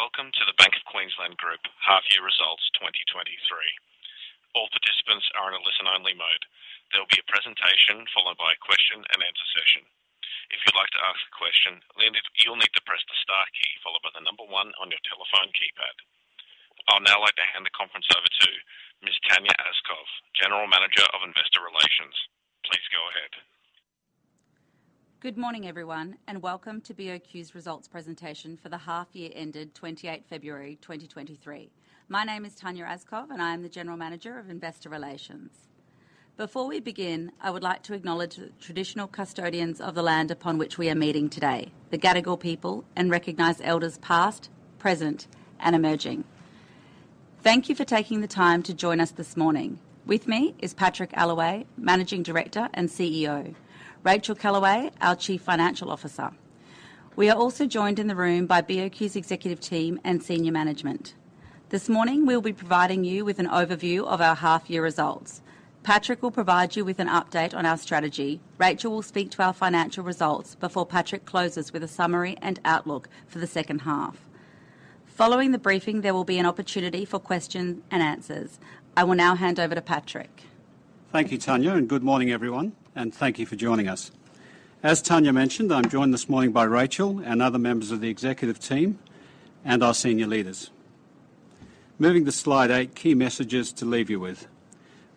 Thank you for standing by. Welcome to the Bank of Queensland Group half year results 2023. All participants are in a listen only mode. There will be a presentation followed by a question-and-answer session. If you'd like to ask a question, you'll need to press the star key followed by one on your telephone keypad. I'll now like to hand the conference over to Ms. Tanya Aaskov, General Manager of Investor Relations. Please go ahead. Good morning, everyone. Welcome to BOQ's results presentation for the half year ended 28 February 2023. My name is Tanya Aaskov, I am the General Manager of Investor Relations. Before we begin, I would like to acknowledge the traditional custodians of the land upon which we are meeting today, the Gadigal people, recognize elders past, present, and emerging. Thank you for taking the time to join us this morning. With me is Patrick Allaway, Managing Director and CEO. Racheal Kellaway, our Chief Financial Officer. We are also joined in the room by BOQ's executive team and senior management. This morning, we'll be providing you with an overview of our half year results. Patrick will provide you with an update on our strategy. Racheal will speak to our financial results before Patrick closes with a summary and outlook for the second half. Following the briefing, there will be an opportunity for question and answers. I will now hand over to Patrick. Thank you, Tanya. Good morning, everyone, and thank you for joining us. As Tanya mentioned, I'm joined this morning by Racheal and other members of the executive team and our senior leaders. Moving to slide eight, key messages to leave you with.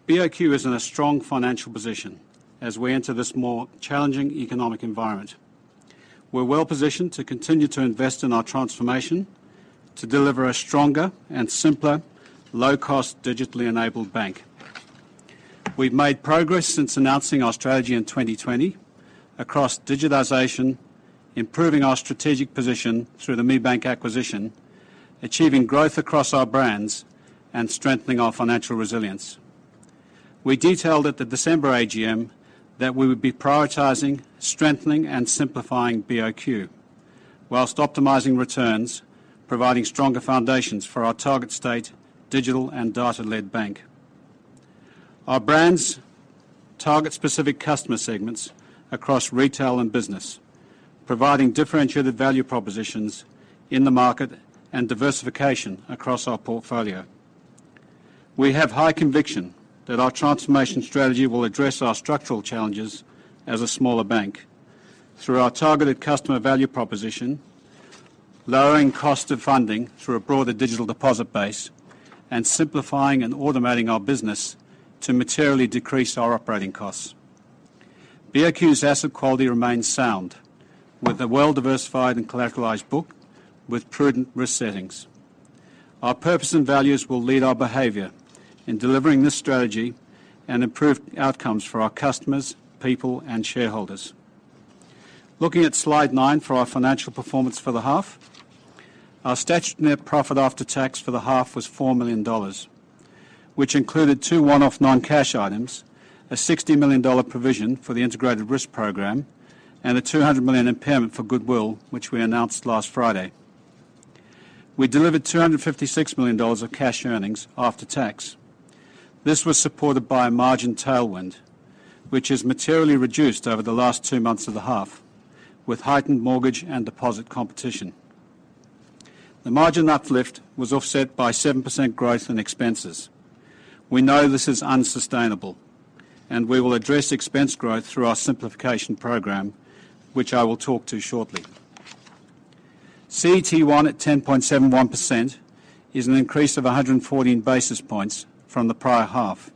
BOQ is in a strong financial position as we enter this more challenging economic environment. We're well-positioned to continue to invest in our transformation to deliver a stronger and simpler, low-cost, digitally enabled bank. We've made progress since announcing our strategy in 2020 across digitization, improving our strategic position through the ME Bank acquisition, achieving growth across our brands, and strengthening our financial resilience. We detailed at the December AGM that we would be prioritizing, strengthening, and simplifying BOQ while optimizing returns, providing stronger foundations for our target state, digital and data-led bank. Our brands target specific customer segments across retail and business, providing differentiated value propositions in the market and diversification across our portfolio. We have high conviction that our transformation strategy will address our structural challenges as a smaller bank through our targeted customer value proposition, lowering cost of funding through a broader digital deposit base, and simplifying and automating our business to materially decrease our operating costs. BOQ's asset quality remains sound with a well-diversified and collateralized book with prudent risk settings. Our purpose and values will lead our behavior in delivering this strategy and improve outcomes for our customers, people, and shareholders. Looking at slide 9 for our financial performance for the half. Our statute net profit after tax for the half was 4 million dollars, which included two one-off non-cash items, an 60 million dollar provision for the Integrated Risk Program, and an 200 million impairment for goodwill, which we announced last Friday. We delivered 256 million dollars of cash earnings after tax. This was supported by a margin tailwind, which is materially reduced over the last two months of the half with heightened mortgage and deposit competition. The margin uplift was offset by 7% growth in expenses. We know this is unsustainable, and we will address expense growth through our simplification program, which I will talk to shortly. CET1 at 10.71% is an increase of 114 basis points from the prior half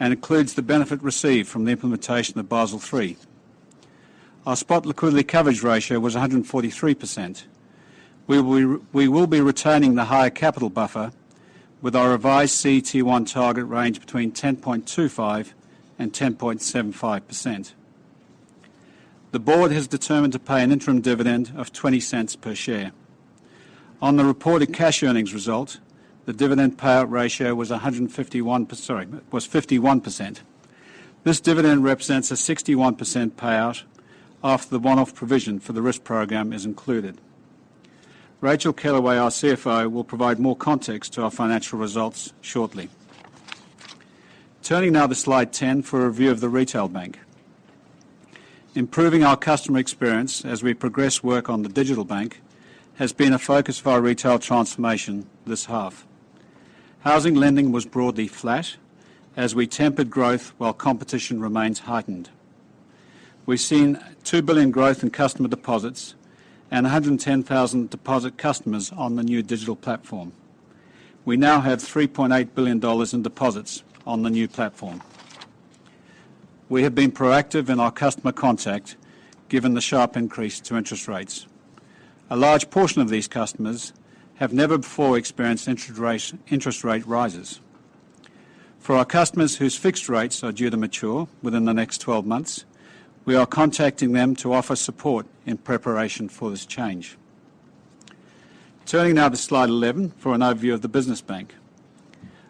and includes the benefit received from the implementation of Basel III. Our spot liquidity coverage ratio was 143%. We will be retaining the higher capital buffer with our revised CET1 target range between 10.25% and 10.75%. The board has determined to pay an interim dividend of 0.20 per share. On the reported cash earnings result, the dividend payout ratio was 51%. This dividend represents a 61% payout after the one-off provision for the Risk Program is included. Racheal Kellaway, our CFO, will provide more context to our financial results shortly. Turning now to slide 10 for a view of the retail bank. Improving our customer experience as we progress work on the digital bank has been a focus for our retail transformation this half. Housing lending was broadly flat as we tempered growth while competition remains heightened. We've seen 2 billion growth in customer deposits and 110,000 deposit customers on the new digital platform. We now have 3.8 billion dollars in deposits on the new platform. We have been proactive in our customer contact given the sharp increase to interest rates. A large portion of these customers have never before experienced interest rate rises. For our customers whose fixed rates are due to mature within the next 12 months, we are contacting them to offer support in preparation for this change. Turning now to slide 11 for an overview of the business bank.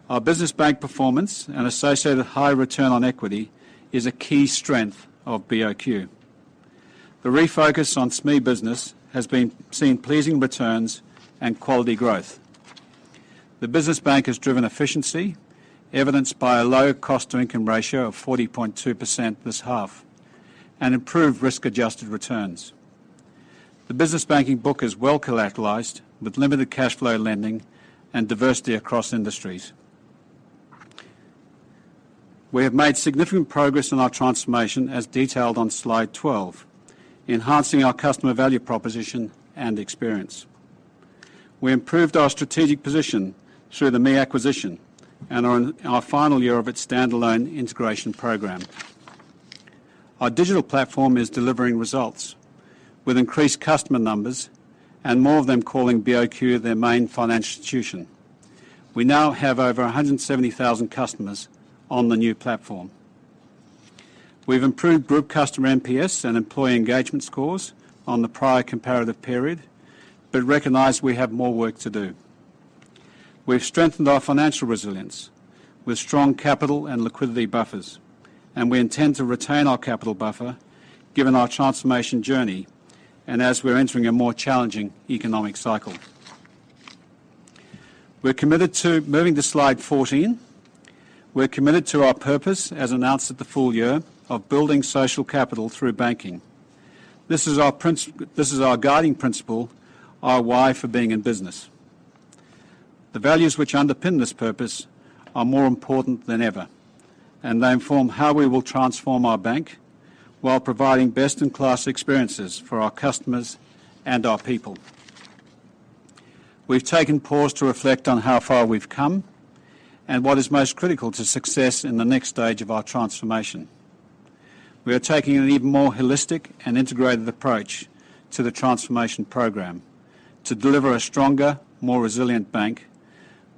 Our business bank performance and associated high return on equity is a key strength of BOQ. The refocus on SME business has been seeing pleasing returns and quality growth. The business bank has driven efficiency, evidenced by a low cost-to-income ratio of 40.2% this half, and improved risk-adjusted returns. The business banking book is well collateralized with limited cash flow lending and diversity across industries. We have made significant progress in our transformation as detailed on slide 12, enhancing our customer value proposition and experience. We improved our strategic position through the ME acquisition and are in our final year of its standalone integration program. Our digital platform is delivering results with increased customer numbers and more of them calling BOQ their main financial institution. We now have over 170,000 customers on the new platform. We've improved group customer NPS and employee engagement scores on the prior comparative period, but recognize we have more work to do. We've strengthened our financial resilience with strong capital and liquidity buffers. We intend to retain our capital buffer given our transformation journey and as we're entering a more challenging economic cycle. Moving to slide 14. We're committed to our purpose, as announced at the full year, of building social capital through banking. This is our guiding principle, our why for being in business. The values which underpin this purpose are more important than ever, and they inform how we will transform our bank while providing best-in-class experiences for our customers and our people. We've taken pause to reflect on how far we've come and what is most critical to success in the next stage of our transformation. We are taking an even more holistic and integrated approach to the transformation program to deliver a stronger, more resilient bank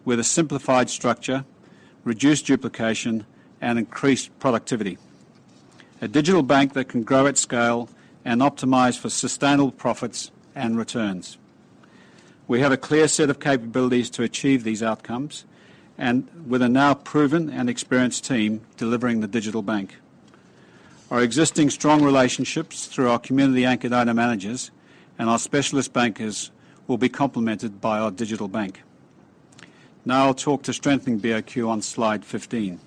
with a simplified structure, reduced duplication, and increased productivity. A digital bank that can grow at scale and optimize for sustainable profits and returns. We have a clear set of capabilities to achieve these outcomes. With a now proven and experienced team delivering the digital bank. Our existing strong relationships through our community-anchored area managers and our specialist bankers will be complemented by our digital bank. I'll talk to strengthening BOQ on slide 15.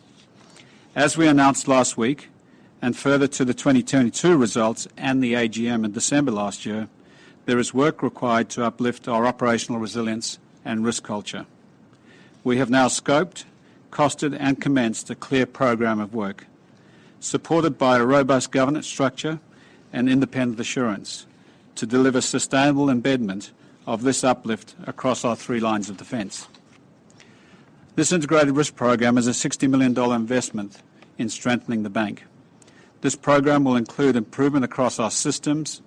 As we announced last week, further to the 2022 results and the AGM in December last year, there is work required to uplift our operational resilience and risk culture. We have now scoped, costed, and commenced a clear program of work, supported by a robust governance structure and independent assurance to deliver sustainable embedment of this uplift across our three lines of defense. This Integrated Risk Program is a $60 million investment in strengthening the bank. This program will include improvement across our systems,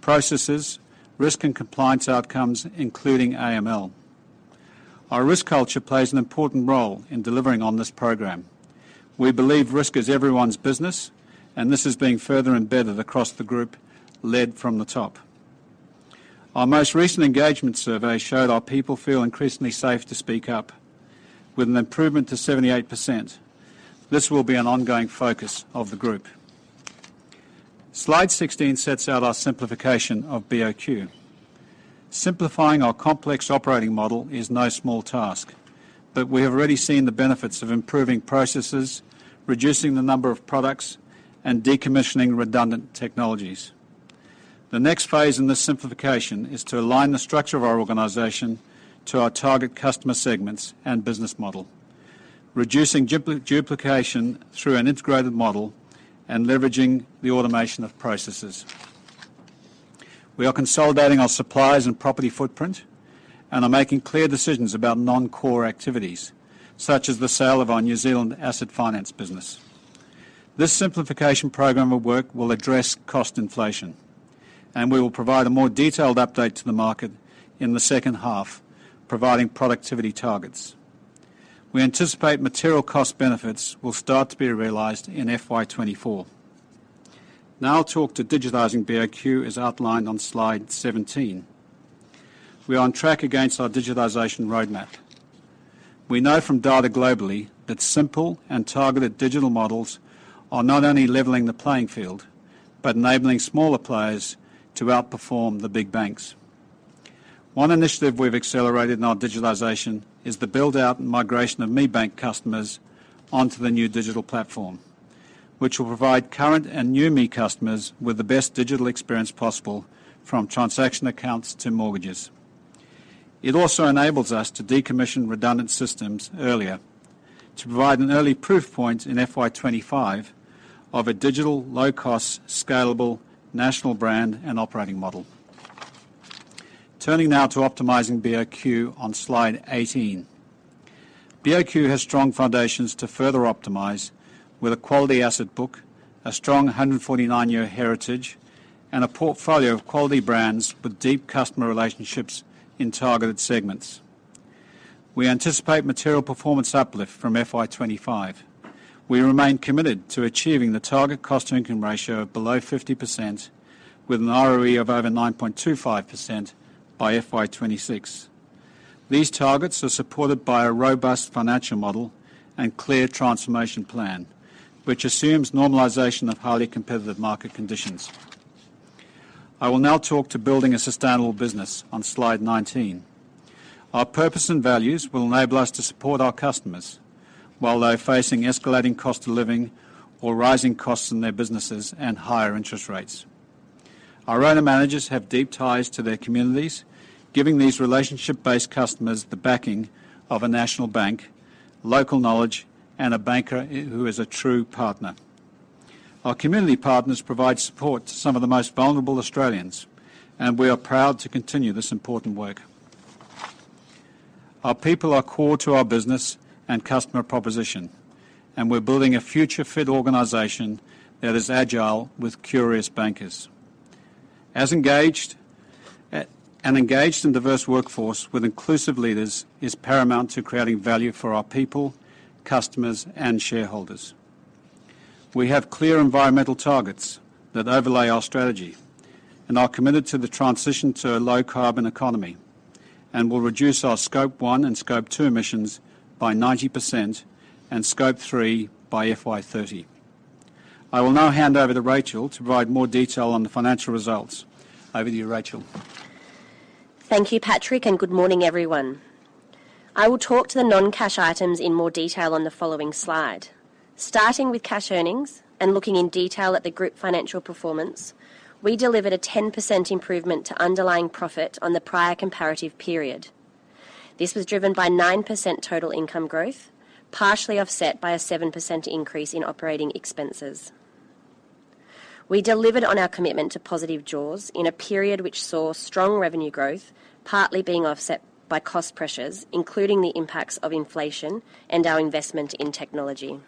processes, risk and compliance outcomes, including AML. Our risk culture plays an important role in delivering on this program. We believe risk is everyone's business, and this is being further embedded across the group, led from the top. Our most recent engagement survey showed our people feel increasingly safe to speak up. With an improvement to 78%, this will be an ongoing focus of the group. Slide 16 sets out our simplification of BOQ. Simplifying our complex operating model is no small task, but we have already seen the benefits of improving processes, reducing the number of products, and decommissioning redundant technologies. The next phase in this simplification is to align the structure of our organization to our target customer segments and business model, reducing duplication through an integrated model and leveraging the automation of processes. We are consolidating our suppliers and property footprint and are making clear decisions about non-core activities, such as the sale of our New Zealand asset finance business. This simplification program of work will address cost inflation, and we will provide a more detailed update to the market in the second half, providing productivity targets. We anticipate material cost benefits will start to be realized in FY 2024. Now I'll talk to digitizing BOQ as outlined on slide 17. We are on track against our digitization roadmap. We know from data globally that simple and targeted digital models are not only leveling the playing field, but enabling smaller players to outperform the big banks. One initiative we've accelerated in our digitalization is the build-out and migration of ME Bank customers onto the new digital platform, which will provide current and new ME customers with the best digital experience possible from transaction accounts to mortgages. It also enables us to decommission redundant systems earlier to provide an early proof point in FY 2025 of a digital, low-cost, scalable, national brand and operating model. Turning now to optimizing BOQ on slide 18. BOQ has strong foundations to further optimize with a quality asset book, a strong 149 year heritage, and a portfolio of quality brands with deep customer relationships in targeted segments. We anticipate material performance uplift from FY 2025. We remain committed to achieving the target cost-to-income ratio of below 50% with an ROE of over 9.25% by FY 2026. These targets are supported by a robust financial model and clear transformation plan, which assumes normalization of highly competitive market conditions. I will now talk to building a sustainable business on slide 19. Our purpose and values will enable us to support our customers while they're facing escalating cost of living or rising costs in their businesses and higher interest rates. Our owner managers have deep ties to their communities, giving these relationship-based customers the backing of a national bank, local knowledge, and a banker who is a true partner. Our community partners provide support to some of the most vulnerable Australians. We are proud to continue this important work. Our people are core to our business and customer proposition, and we're building a future fit organization that is agile with curious bankers. An engaged and diverse workforce with inclusive leaders is paramount to creating value for our people, customers, and shareholders. We have clear environmental targets that overlay our strategy and are committed to the transition to a low carbon economy, and will reduce our scope one and scope two emissions by 90% and scope three by FY 2030. I will now hand over to Racheal to provide more detail on the financial results. Over to you, Racheal. Thank you, Patrick. Good morning, everyone. I will talk to the non-cash items in more detail on the following slide. Starting with cash earnings and looking in detail at the group financial performance, we delivered a 10% improvement to underlying profit on the prior comparative period. This was driven by 9% total income growth, partially offset by a 7% increase in operating expenses. We delivered on our commitment to positive jaws in a period which saw strong revenue growth, partly being offset by cost pressures, including the impacts of inflation and our investment in technology.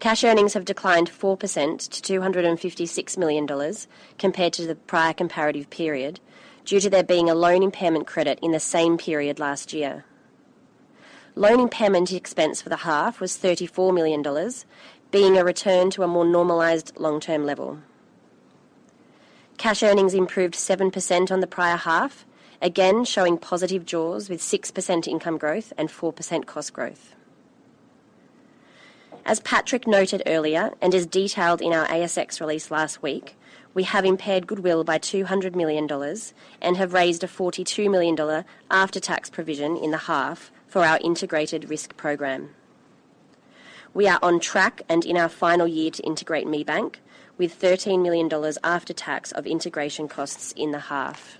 Cash earnings have declined 4% to 256 million dollars compared to the prior comparative period due to there being a loan impairment credit in the same period last year. Loan impairment expense for the half was 34 million dollars, being a return to a more normalized long-term level. Cash earnings improved 7% on the prior half, again, showing positive jaws with 6% income growth and 4% cost growth. As Patrick noted earlier and is detailed in our ASX release last week, we have impaired goodwill by 200 million dollars and have raised a 42 million dollar after-tax provision in the half for our Integrated Risk Program. We are on track and in our final year to integrate ME Bank with 13 million dollars after tax of integration costs in the half.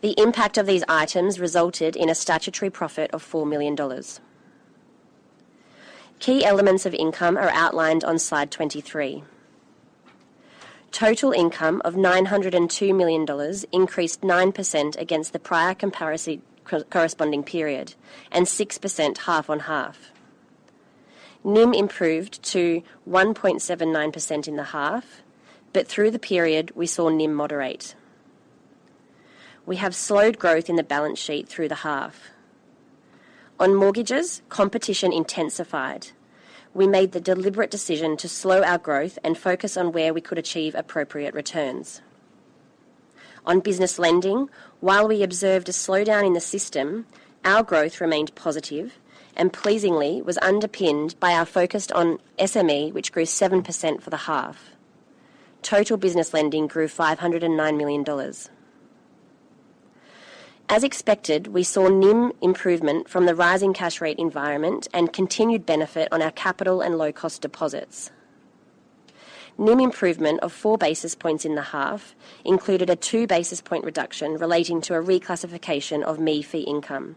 The impact of these items resulted in a statutory profit of AUD 4 million. Key elements of income are outlined on slide 23. Total income of 902 million dollars increased 9% against the prior corresponding period and 6% half on half. NIM improved to 1.79% in the half. Through the period, we saw NIM moderate. We have slowed growth in the balance sheet through the half. On mortgages, competition intensified. We made the deliberate decision to slow our growth and focus on where we could achieve appropriate returns. On business lending, while we observed a slowdown in the system, our growth remained positive and pleasingly was underpinned by our focus on SME, which grew 7% for the half. Total business lending grew 509 million dollars. As expected, we saw NIM improvement from the rising cash rate environment and continued benefit on our capital and low-cost deposits. NIM improvement of 4 basis points in the half included a 2 basis point reduction relating to a reclassification of ME Fee income.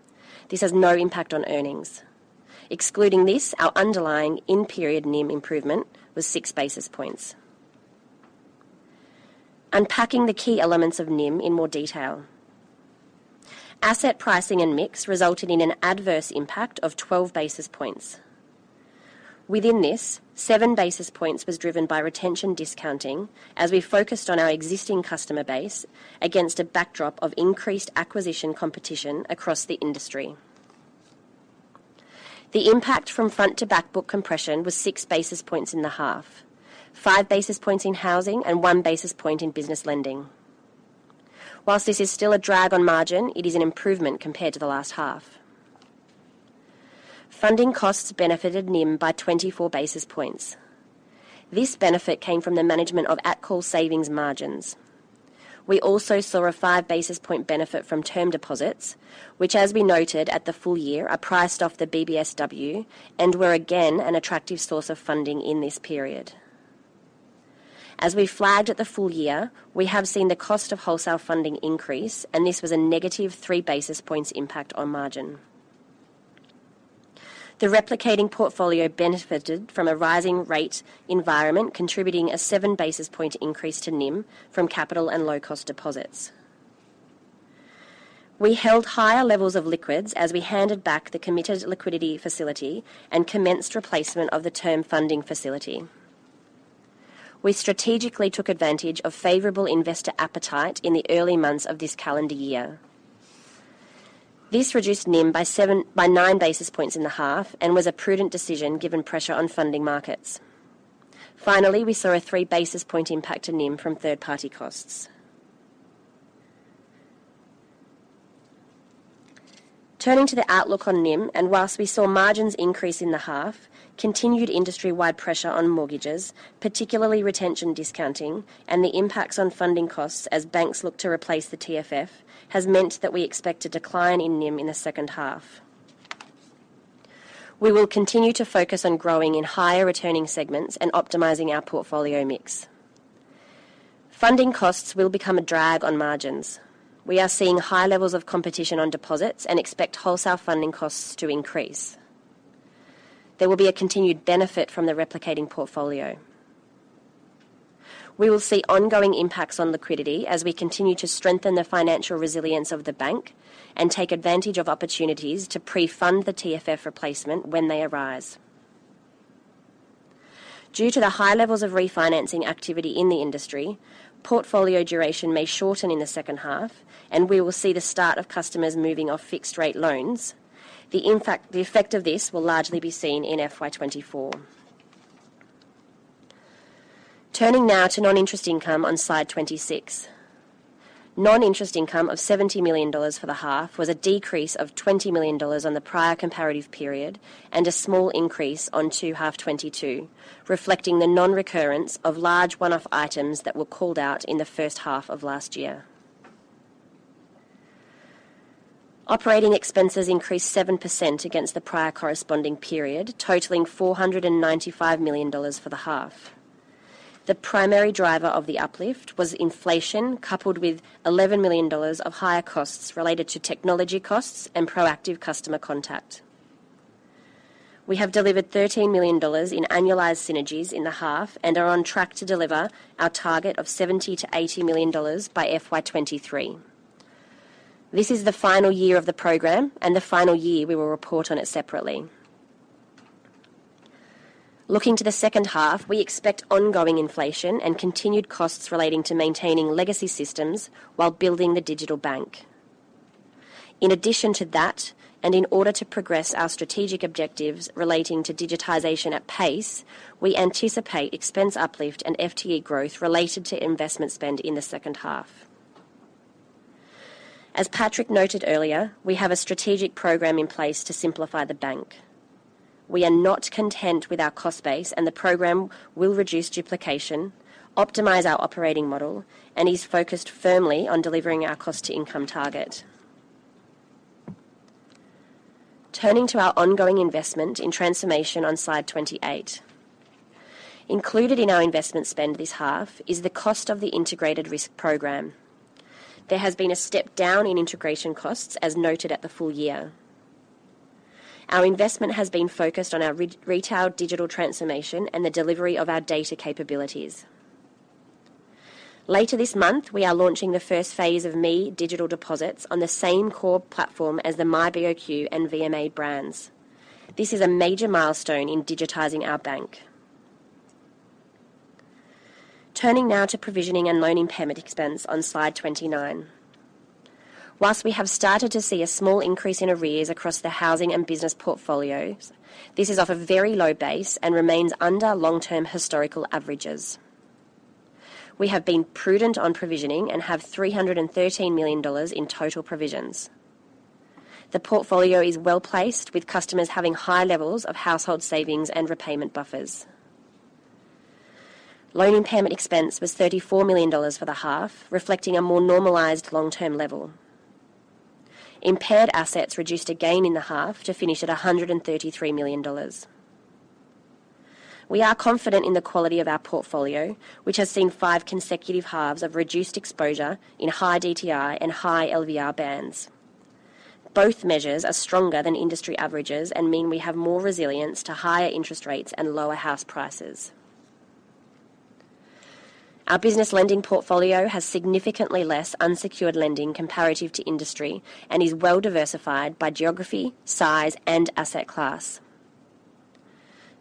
This has no impact on earnings. Excluding this, our underlying in-period NIM improvement was 6 basis points. Unpacking the key elements of NIM in more detail. Asset pricing and mix resulted in an adverse impact of 12 basis points. Within this, 7 basis points was driven by retention discounting as we focused on our existing customer base against a backdrop of increased acquisition competition across the industry. The impact from front to back book compression was 6 basis points in the half, 5 basis points in housing, and 1 basis point in business lending. This is still a drag on margin, it is an improvement compared to the last half. Funding costs benefited NIM by 24 basis points. This benefit came from the management of at-call savings margins. We also saw a 5 basis point benefit from term deposits, which, as we noted at the full year, are priced off the BBSW and were again an attractive source of funding in this period. As we flagged at the full year, we have seen the cost of wholesale funding increase. This was a negative 3 basis points impact on margin. The replicating portfolio benefited from a rising rate environment, contributing a 7 basis point increase to NIM from capital and low cost deposits. We held higher levels of liquids as we handed back the Committed Liquidity Facility and commenced replacement of the Term Funding Facility. We strategically took advantage of favorable investor appetite in the early months of this calendar year. This reduced NIM by 9 basis points in the half and was a prudent decision given pressure on funding markets. Finally, we saw a 3 basis point impact to NIM from third party costs. Turning to the outlook on NIM, whilst we saw margins increase in the half, continued industry-wide pressure on mortgages, particularly retention discounting and the impacts on funding costs as banks look to replace the TFF, has meant that we expect a decline in NIM in the second half. We will continue to focus on growing in higher returning segments and optimizing our portfolio mix. Funding costs will become a drag on margins. We are seeing high levels of competition on deposits and expect wholesale funding costs to increase. There will be a continued benefit from the replicating portfolio. We will see ongoing impacts on liquidity as we continue to strengthen the financial resilience of the bank and take advantage of opportunities to pre-fund the TFF replacement when they arise. Due to the high levels of refinancing activity in the industry, portfolio duration may shorten in the second half and we will see the start of customers moving off fixed rate loans. The effect of this will largely be seen in FY 2024. Turning now to non-interest income on slide 26. Non-interest income of 70 million dollars for the half was a decrease of 20 million dollars on the prior comparative period and a small increase on 2H 2022, reflecting the non-recurrence of large one-off items that were called out in the first half of last year. Operating expenses increased 7% against the prior corresponding period, totaling 495 million dollars for the half. The primary driver of the uplift was inflation, coupled with 11 million dollars of higher costs related to technology costs and proactive customer contact. We have delivered 13 million dollars in annualized synergies in the half and are on track to deliver our target of 70 million-80 million dollars by FY 2023. This is the final year of the program and the final year we will report on it separately. Looking to the second half, we expect ongoing inflation and continued costs relating to maintaining legacy systems while building the digital bank. In addition to that, and in order to progress our strategic objectives relating to digitization at pace, we anticipate expense uplift and FTE growth related to investment spend in the second half. As Patrick noted earlier, we have a strategic program in place to simplify the bank. We are not content with our cost base and the program will reduce duplication, optimize our operating model, and is focused firmly on delivering our cost to income target. Turning to our ongoing investment in transformation on slide 28. Included in our investment spend this half is the cost of the Integrated Risk Program. There has been a step down in integration costs, as noted at the full year. Our investment has been focused on our re-retail digital transformation and the delivery of our data capabilities. Later this month, we are launching the first phase of ME Digital Deposits on the same core platform as the myBOQ and VMA brands. This is a major milestone in digitizing our bank. Turning now to provisioning and loan impairment expense on slide 29. Whilst we have started to see a small increase in arrears across the housing and business portfolios, this is off a very low base and remains under long-term historical averages. We have been prudent on provisioning and have 313 million dollars in total provisions. The portfolio is well-placed, with customers having high levels of household savings and repayment buffers. Loan impairment expense was 34 million dollars for the half, reflecting a more normalized long-term level. Impaired assets reduced again in the half to finish at 133 million dollars. We are confident in the quality of our portfolio, which has seen five consecutive halves of reduced exposure in high DTI and high LVR bands. Both measures are stronger than industry averages and mean we have more resilience to higher interest rates and lower house prices. Our business lending portfolio has significantly less unsecured lending comparative to industry and is well diversified by geography, size, and asset class.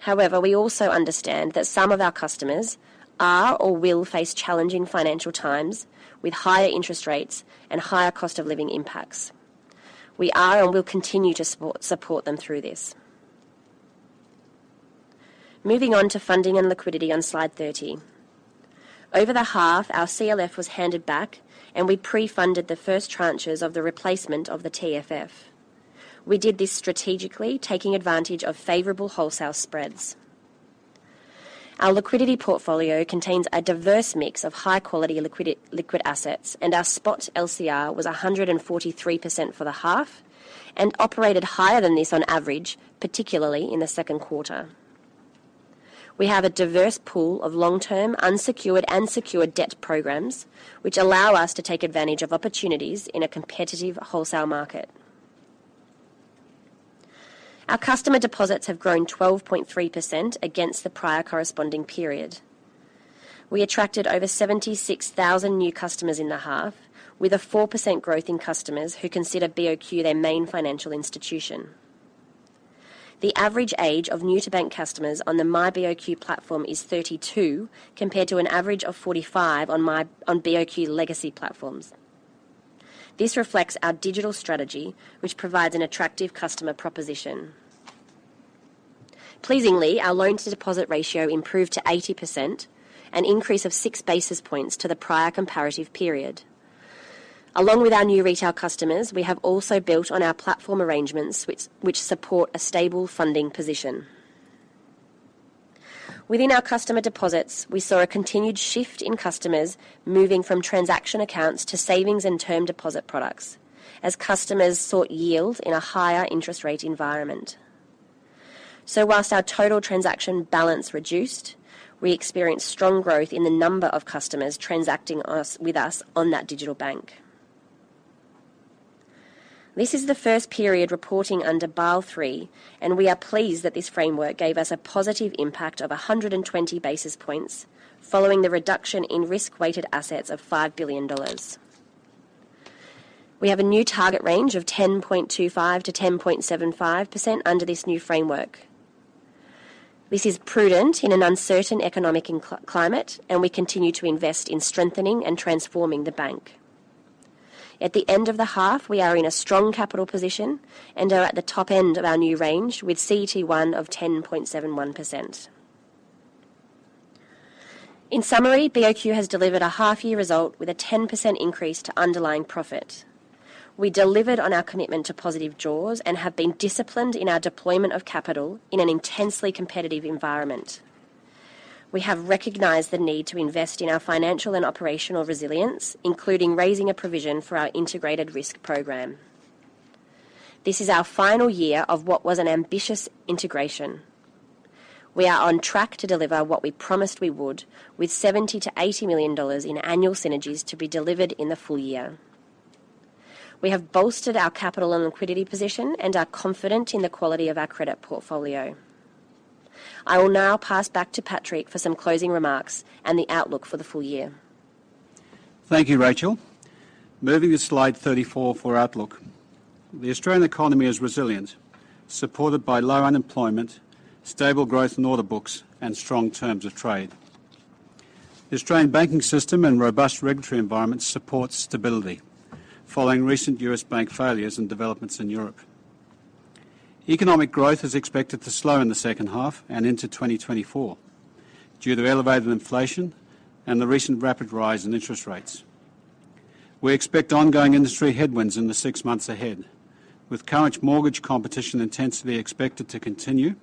We also understand that some of our customers are or will face challenging financial times with higher interest rates and higher cost of living impacts. We are and will continue to support them through this. Moving on to funding and liquidity on slide 30. Over the half, our CLF was handed back and we pre-funded the first tranches of the replacement of the TFF. We did this strategically, taking advantage of favorable wholesale spreads. Our liquidity portfolio contains a diverse mix of high quality liquid assets, and our spot LCR was 143% for the half and operated higher than this on average, particularly in the second quarter. We have a diverse pool of long-term unsecured and secured debt programs which allow us to take advantage of opportunities in a competitive wholesale market. Our customer deposits have grown 12.3% against the prior corresponding period. We attracted over 76,000 new customers in the half, with a 4% growth in customers who consider BOQ their main financial institution. The average age of new to bank customers on the myBOQ platform is 32, compared to an average of 45 on BOQ legacy platforms. This reflects our digital strategy, which provides an attractive customer proposition. Pleasingly, our loans to deposit ratio improved to 80%, an increase of 6 basis points to the prior comparative period. Along with our new retail customers, we have also built on our platform arrangements which support a stable funding position. Within our customer deposits, we saw a continued shift in customers moving from transaction accounts to savings and term deposit products as customers sought yield in a higher interest rate environment. Whilst our total transaction balance reduced, we experienced strong growth in the number of customers transacting us, with us on that digital bank. This is the first period reporting under Basel III, and we are pleased that this framework gave us a positive impact of 120 basis points following the reduction in risk-weighted assets of 5 billion dollars. We have a new target range of 10.25%-10.75% under this new framework. This is prudent in an uncertain economic climate, and we continue to invest in strengthening and transforming the bank. At the end of the half, we are in a strong capital position and are at the top end of our new range with CET1 of 10.71%. In summary, BOQ has delivered a half-year result with a 10% increase to underlying profit. We delivered on our commitment to positive jaws and have been disciplined in our deployment of capital in an intensely competitive environment. We have recognized the need to invest in our financial and operational resilience, including raising a provision for our Integrated Risk Program. This is our final year of what was an ambitious integration. We are on track to deliver what we promised we would, with 70 million-80 million dollars in annual synergies to be delivered in the full year. We have bolstered our capital and liquidity position and are confident in the quality of our credit portfolio. I will now pass back to Patrick for some closing remarks and the outlook for the full year. Thank you, Racheal. Moving to slide 34 for outlook. The Australian economy is resilient, supported by low unemployment, stable growth in order books, and strong terms of trade. The Australian banking system and robust regulatory environment supports stability following recent U.S. bank failures and developments in Europe. Economic growth is expected to slow in the second half and into 2024 due to elevated inflation and the recent rapid rise in interest rates. We expect ongoing industry headwinds in the six months ahead, with current mortgage competition intensity expected to continue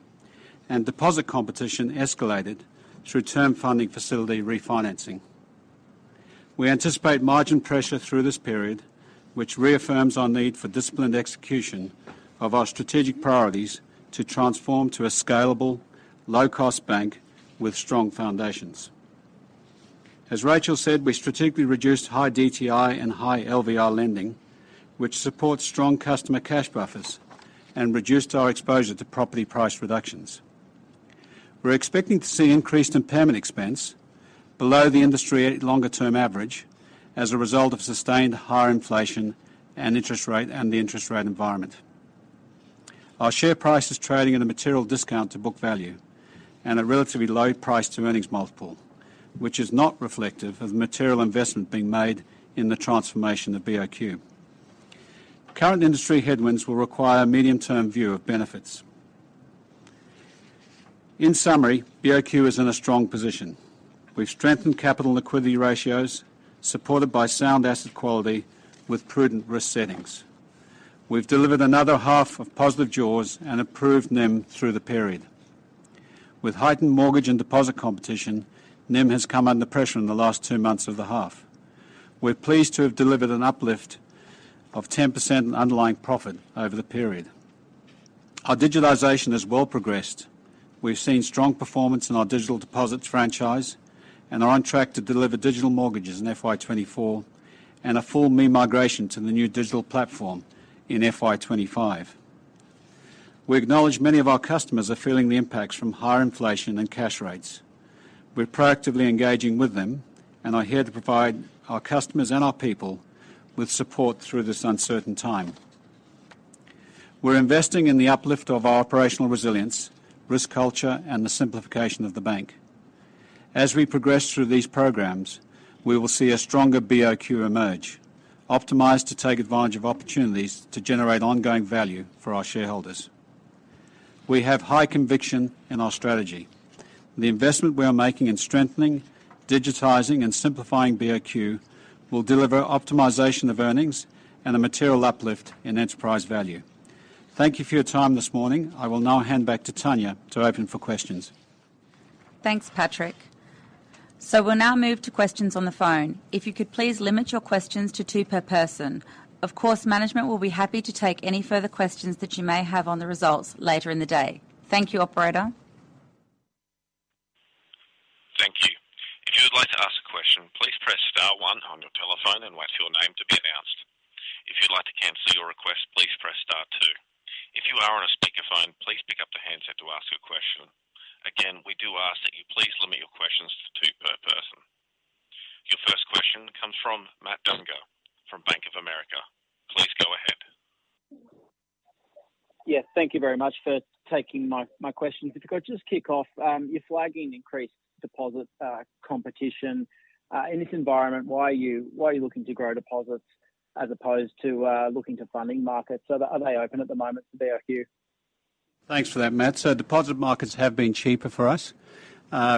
and deposit competition escalated through Term Funding Facility refinancing. We anticipate margin pressure through this period, which reaffirms our need for disciplined execution of our strategic priorities to transform to a scalable, low-cost bank with strong foundations. As Racheal said, we strategically reduced high DTI and high LVR lending, which supports strong customer cash buffers and reduced our exposure to property price reductions. We're expecting to see increased impairment expense below the industry longer-term average as a result of sustained higher inflation and interest rate, and the interest rate environment. Our share price is trading at a material discount to book value and a relatively low price-to-earnings multiple, which is not reflective of material investment being made in the transformation of BOQ. Current industry headwinds will require a medium-term view of benefits. In summary, BOQ is in a strong position. We've strengthened capital liquidity ratios supported by sound asset quality with prudent risk settings. We've delivered another half of positive jaws and improved NIM through the period. With heightened mortgage and deposit competition, NIM has come under pressure in the last two months of the half. We're pleased to have delivered an uplift of 10% in underlying profit over the period. Our digitalization has well progressed. We've seen strong performance in our digital deposits franchise and are on track to deliver digital mortgages in FY 2024 and a full ME migration to the new digital platform in FY 2025. We acknowledge many of our customers are feeling the impacts from higher inflation and cash rates. We're proactively engaging with them and are here to provide our customers and our people with support through this uncertain time. We're investing in the uplift of our operational resilience, risk culture, and the simplification of the bank. As we progress through these programs, we will see a stronger BOQ emerge, optimized to take advantage of opportunities to generate ongoing value for our shareholders. We have high conviction in our strategy. The investment we are making in strengthening, digitizing, and simplifying BOQ will deliver optimization of earnings and a material uplift in enterprise value. Thank you for your time this morning. I will now hand back to Tanya to open for questions. Thanks, Patrick. We'll now move to questions on the phone. If you could please limit your questions to two per person. Of course, management will be happy to take any further questions that you may have on the results later in the day. Thank you, operator. Thank you. If you would like to ask a question, please press star one on your telephone and wait for your name to be announced. If you'd like to cancel your request, please press star two. If you are on a speakerphone, please pick up the handset to ask a question. Again, we do ask that you please limit your questions to two per person. Your first question comes from Matt Dunger from Bank of America. Please go ahead. Yeah. Thank you very much for taking my question. Just kick off, you're flagging increased deposit competition. In this environment, why are you looking to grow deposits as opposed to looking to funding markets? Are they open at the moment to BOQ? Thanks for that, Matt. Deposit markets have been cheaper for us.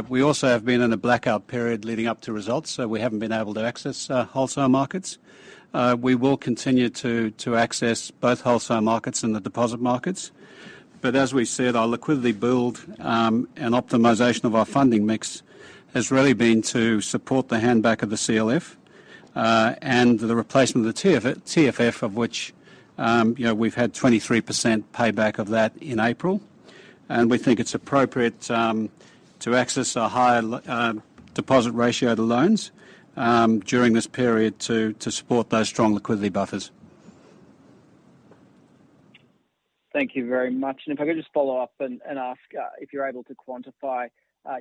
We also have been in a blackout period leading up to results, so we haven't been able to access our wholesale markets. We will continue to access both wholesale markets and the deposit markets. As we said, our liquidity build and optimization of our funding mix has really been to support the hand-back of the CLF and the replacement of the TFF, of which, you know, we've had 23% payback of that in April. We think it's appropriate to access a higher deposit ratio to loans during this period to support those strong liquidity buffers. Thank you very much. If I could just follow up and ask, if you're able to quantify.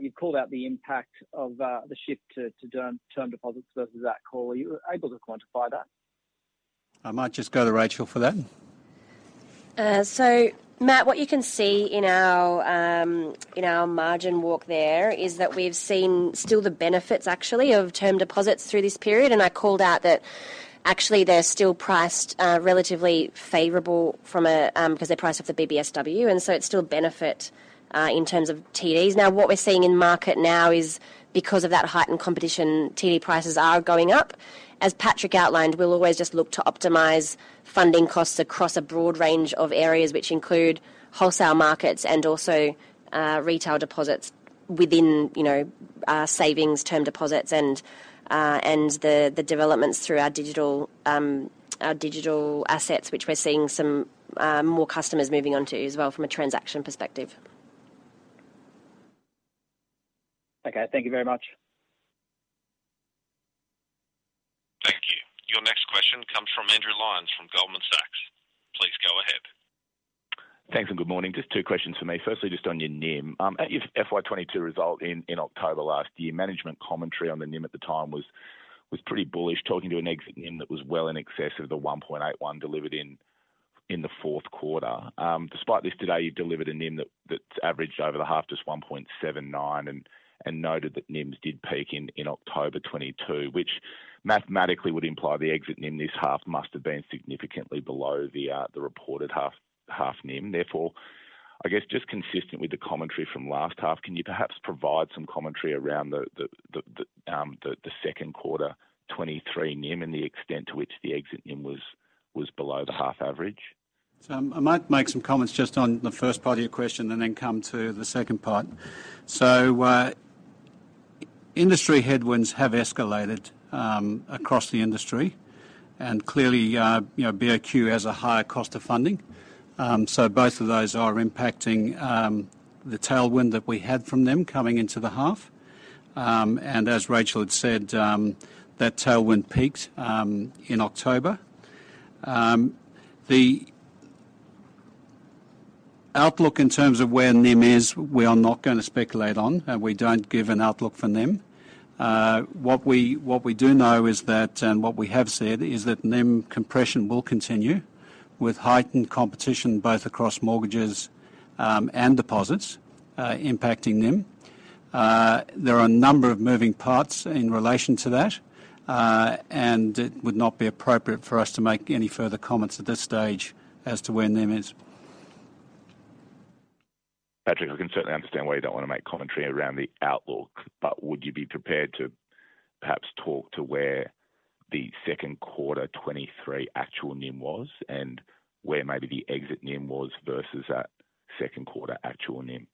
You called out the impact of the shift to term deposits versus that call. Are you able to quantify that? I might just go to Racheal for that. Matt, what you can see in our margin walk there is that we've seen still the benefits actually of term deposits through this period. I called out that actually they're still priced relatively favorable from a because they're priced off the BBSW, it's still a benefit in terms of TDs. What we're seeing in market now is because of that heightened competition, TD prices are going up. As Patrick outlined, we'll always just look to optimize funding costs across a broad range of areas, which include wholesale markets and also retail deposits within, you know, savings, term deposits and the developments through our digital our digital assets, which we're seeing some more customers moving on to as well from a transaction perspective. Okay. Thank you very much. Thank you. Your next question comes from Andrew Lyons from Goldman Sachs. Please go ahead. Thanks. Good morning. Just two questions from me. Firstly, just on your NIM. At your FY 2022 result in October last year, management commentary on the NIM at the time was pretty bullish, talking to an exit NIM that was well in excess of the 1.81% delivered in the fourth quarter. Despite this today, you delivered a NIM that's averaged over the half just 1.79% and noted that NIMs did peak in October 2022, which mathematically would imply the exit NIM this half must have been significantly below the reported half NIM. I guess just consistent with the commentary from last half, can you perhaps provide some commentary around the second quarter 2023 NIM and the extent to which the exit NIM was below the half average? I might make some comments just on the first part of your question and then come to the second part. Industry headwinds have escalated across the industry and clearly, you know, BOQ has a higher cost of funding. Both of those are impacting the tailwind that we had from them coming into the half. As Racheal had said, that tailwind peaked in October. The outlook in terms of where NIM is, we are not gonna speculate on, and we don't give an outlook for NIM. What we do know is that, and what we have said, is that NIM compression will continue with heightened competition both across mortgages and deposits, impacting NIM. There are a number of moving parts in relation to that. It would not be appropriate for us to make any further comments at this stage as to where NIM is. Patrick, I can certainly understand why you don't wanna make commentary around the outlook, but would you be prepared to perhaps talk to where the second quarter 2023 actual NIM was and where maybe the exit NIM was versus that second quarter actual NIM?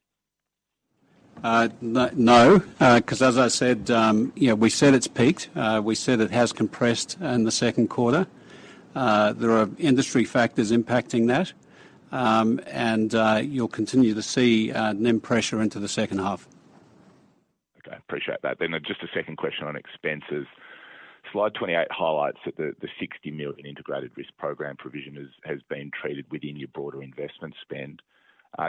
No, cause as I said, you know, we said it's peaked. We said it has compressed in the second quarter. There are industry factors impacting that, and you'll continue to see NIM pressure into the second half. Okay. Appreciate that. Just a second question on expenses. Slide 28 highlights that the 60 million Integrated Risk Program provision has been treated within your broader investment spend.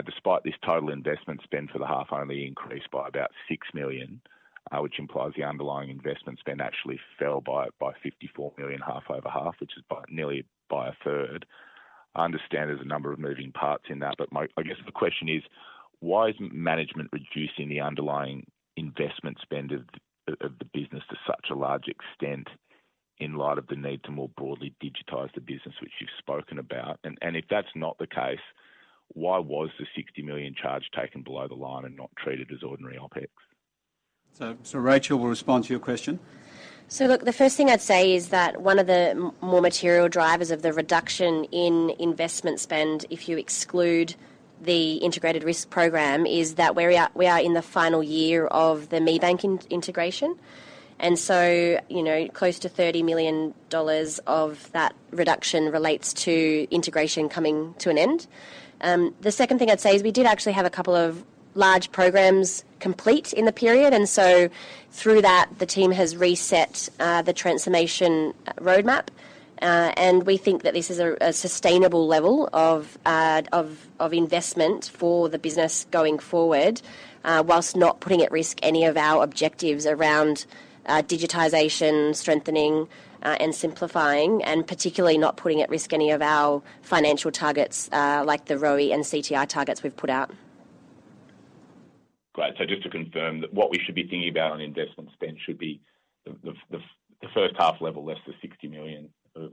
Despite this total investment spend for the half only increased by about 6 million, which implies the underlying investment spend actually fell by 54 million half over half, which is by nearly a third. I understand there's a number of moving parts in that, I guess the question is why isn't management reducing the underlying investment spend of the business to such a large extent in light of the need to more broadly digitize the business, which you've spoken about? If that's not the case, why was the 60 million charge taken below the line and not treated as ordinary OpEx? Racheal will respond to your question. The first thing I'd say is that one of the more material drivers of the reduction in investment spend, if you exclude the Integrated Risk Program, is that we are in the final year of the ME Bank integration. You know, close to 30 million dollars of that reduction relates to integration coming to an end. The second thing I'd say is we did actually have a couple of large programs complete in the period, through that, the team has reset, the transformation roadmap. We think that this is a sustainable level of investment for the business going forward, whilst not putting at risk any of our objectives around digitization, strengthening, and simplifying, and particularly not putting at risk any of our financial targets, like the ROE and CTI targets we've put out. Great. Just to confirm that what we should be thinking about on investment spend should be the first half level less the 60 million of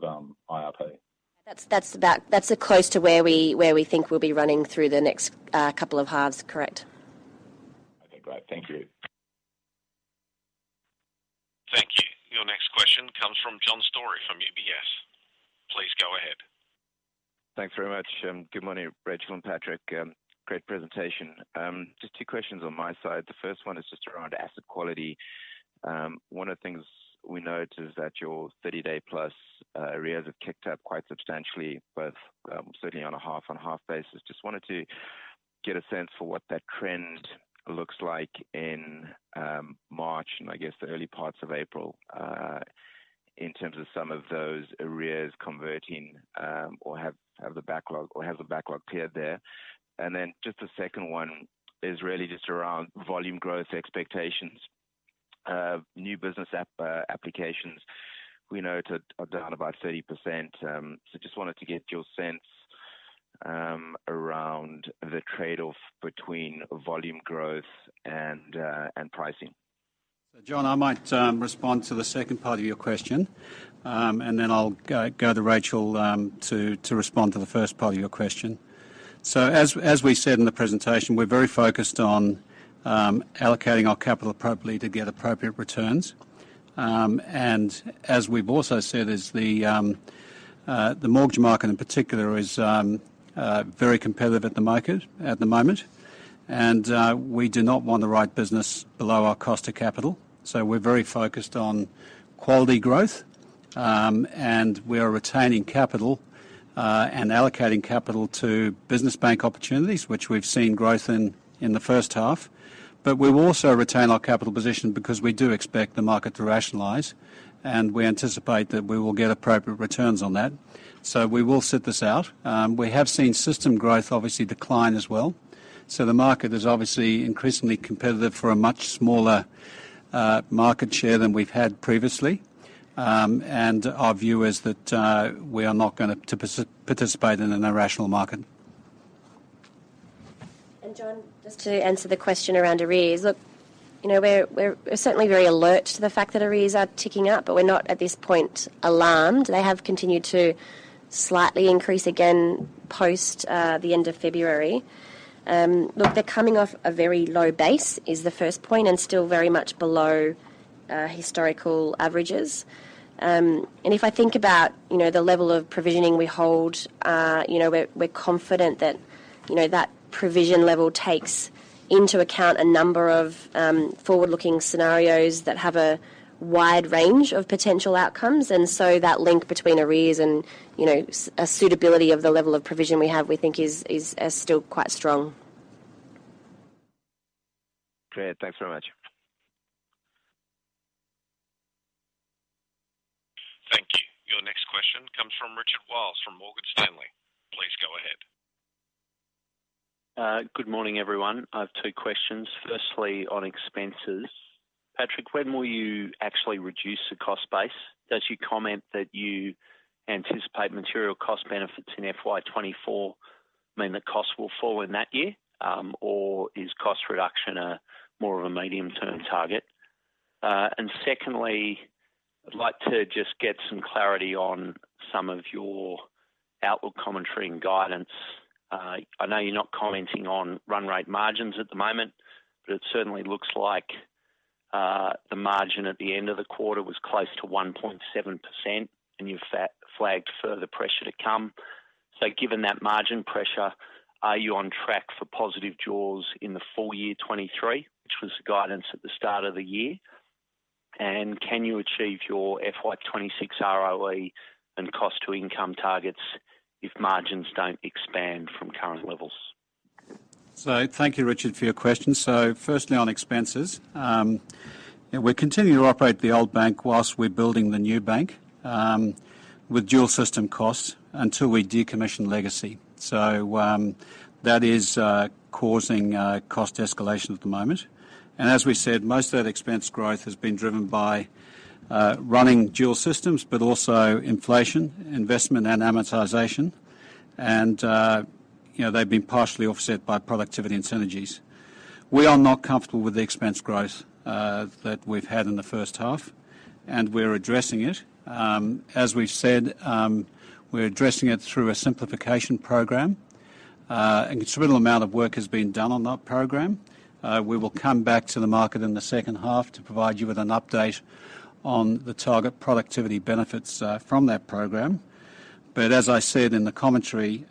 IRP. That's close to where we think we'll be running through the next couple of halves. Correct. Okay, great. Thank you. Thank you. Your next question comes from John Storey from UBS. Please go ahead. Thanks very much. Good morning, Racheal and Patrick. Great presentation. Just two questions on my side. The first one is just around asset quality. One of the things we note is that your 30 day plus arrears have kicked up quite substantially, both certainly on a half-on-half basis. Just wanted to get a sense for what that trend looks like in March and I guess the early parts of April in terms of some of those arrears converting or have the backlog cleared there. Just the second one is really just around volume growth expectations. New business app applications we noted are down about 30%. Just wanted to get your sense around the trade-off between volume growth and pricing. John, I might respond to the second part of your question. Then I'll go to Racheal to respond to the first part of your question. As we said in the presentation, we're very focused on allocating our capital appropriately to get appropriate returns. As we've also said, is the mortgage market in particular is very competitive at the market at the moment. We do not want the right business below our cost of capital. We're very focused on quality growth. We are retaining capital and allocating capital to business bank opportunities, which we've seen growth in the first half. We've also retained our capital position because we do expect the market to rationalize, and we anticipate that we will get appropriate returns on that. We will sit this out. We have seen system growth obviously decline as well. The market is obviously increasingly competitive for a much smaller market share than we've had previously. Our view is that we are not gonna participate in an irrational market. John, just to answer the question around arrears. You know, we're certainly very alert to the fact that arrears are ticking up, but we're not, at this point, alarmed. They have continued to slightly increase again post the end of February. They're coming off a very low base, is the first point, and still very much below historical averages. If I think about, you know, the level of provisioning we hold, you know, we're confident that, you know, that provision level takes into account a number of forward-looking scenarios that have a wide range of potential outcomes. That link between arrears and, you know, suitability of the level of provision we have, we think is still quite strong. Great. Thanks very much. Thank you. Your next question comes from Richard Wiles from Morgan Stanley. Please go ahead. Good morning, everyone. I have two questions. Firstly, on expenses. Patrick Allaway, when will you actually reduce the cost base? Does your comment that you anticipate material cost benefits in FY 2024 mean that costs will fall in that year, or is cost reduction a more of a medium-term target? Secondly, I'd like to just get some clarity on some of your outlook commentary and guidance. I know you're not commenting on run rate margins at the moment, but it certainly looks like the margin at the end of the quarter was close to 1.7%, and you flagged further pressure to come. Given that margin pressure, are you on track for positive jaws in the full year 2023, which was the guidance at the start of the year? Can you achieve your FY 2026 ROE and cost to income targets if margins don't expand from current levels? Thank you, Richard, for your question. Firstly on expenses. We're continuing to operate the old bank whilst we're building the new bank, with dual system costs until we decommission legacy. That is causing cost escalation at the moment. As we said, most of that expense growth has been driven by running dual systems, but also inflation, investment and amortization. You know, they've been partially offset by productivity and synergies. We are not comfortable with the expense growth that we've had in the first half, and we're addressing it. As we've said, we're addressing it through a simplification program. A considerable amount of work has been done on that program. We will come back to the market in the second half to provide you with an update on the target productivity benefits from that program. As I said in the commentary,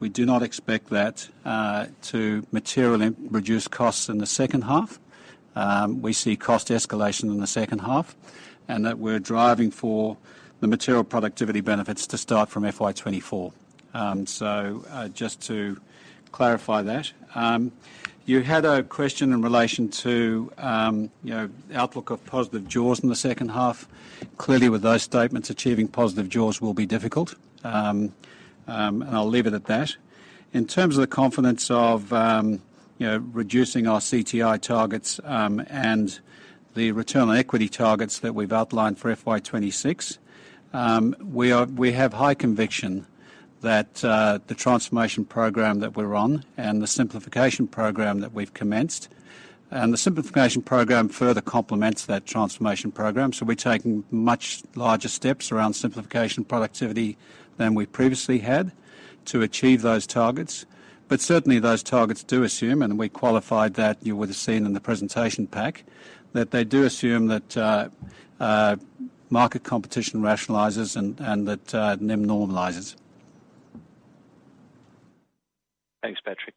we do not expect that to materially reduce costs in the second half. We see cost escalation in the second half, and that we're driving for the material productivity benefits to start from FY 2024. Just to clarify that. You had a question in relation to, you know, outlook of positive jaws in the second half. Clearly, with those statements, achieving positive jaws will be difficult. I'll leave it at that. In terms of the confidence of, You know, reducing our CTI targets, and the return on equity targets that we've outlined for FY 2026. We have high conviction that the transformation program that we're on and the simplification program that we've commenced, and the simplification program further complements that transformation program. We're taking much larger steps around simplification productivity than we previously had to achieve those targets. Certainly those targets do assume, and we qualified that, you would have seen in the presentation pack, that they do assume that market competition rationalizes and that NIM normalizes. Thanks, Patrick.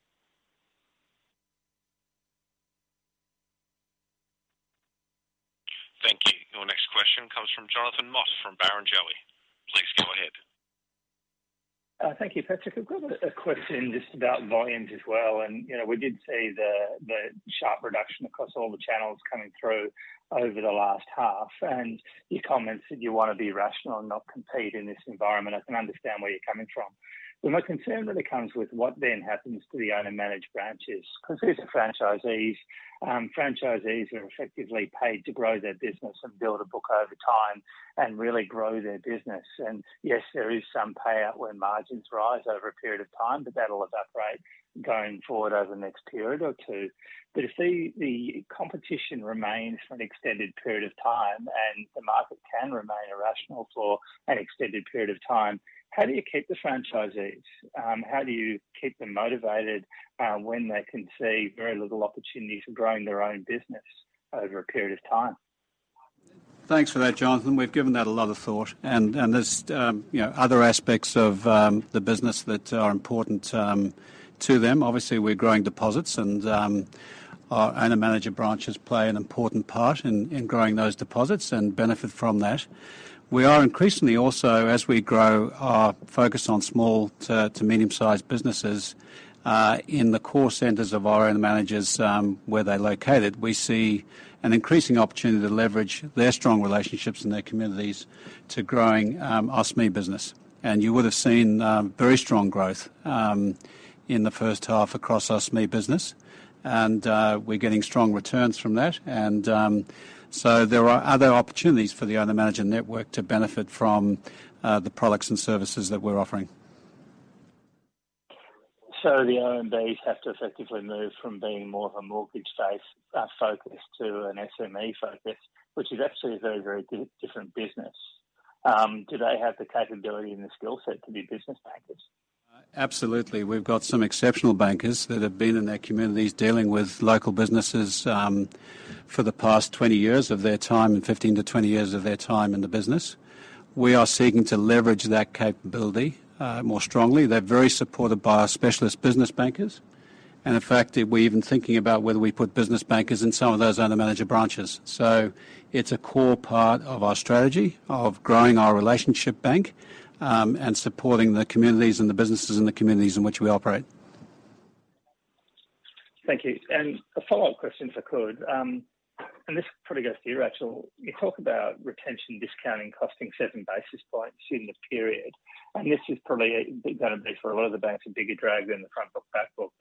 Thank you. Your next question comes from Jonathan Mott from Barrenjoey. Please go ahead. Thank you, Patrick. I've got a question just about volumes as well. You know, we did see the sharp reduction across all the channels coming through over the last half, and you commented you wanna be rational and not compete in this environment. I can understand where you're coming from. My concern really comes with what then happens to the owner-managed branches, 'cause these are franchisees. Franchisees are effectively paid to grow their business and build a book over time and really grow their business. Yes, there is some payout when margins rise over a period of time, but that'll evaporate going forward over the next period or two. If the competition remains for an extended period of time and the market can remain irrational for an extended period of time, how do you keep the franchisees? How do you keep them motivated, when they can see very little opportunity for growing their own business over a period of time? Thanks for that, Jonathan. We've given that a lot of thought, and there's, you know, other aspects of the business that are important to them. Obviously, we're growing deposits and our owner-manager branches play an important part in growing those deposits and benefit from that. We are increasingly also, as we grow our focus on small to medium-sized businesses, in the core centers of our own managers, where they're located, we see an increasing opportunity to leverage their strong relationships in their communities to growing O&SME business. You would have seen very strong growth in the first half across O&SME business. We're getting strong returns from that. There are other opportunities for the owner-manager network to benefit from the products and services that we're offering. The OMBs have to effectively move from being more of a mortgage-based focus to an SME focus, which is actually a very, very different business. Do they have the capability and the skill set to be business bankers? Absolutely. We've got some exceptional bankers that have been in their communities dealing with local businesses, for the past 20 years of their time, and 15-20 years of their time in the business. We are seeking to leverage that capability more strongly. They're very supported by our specialist business bankers. In fact, we're even thinking about whether we put business bankers in some of those owner-manager branches. It's a core part of our strategy of growing our relationship bank, and supporting the communities and the businesses and the communities in which we operate. Thank you. A follow-up question, if I could. This probably goes to you, Racheal. You talk about retention discounting costing 7 basis points in the period. This is probably gonna be for a lot of the banks, a bigger drag than the front book, back book.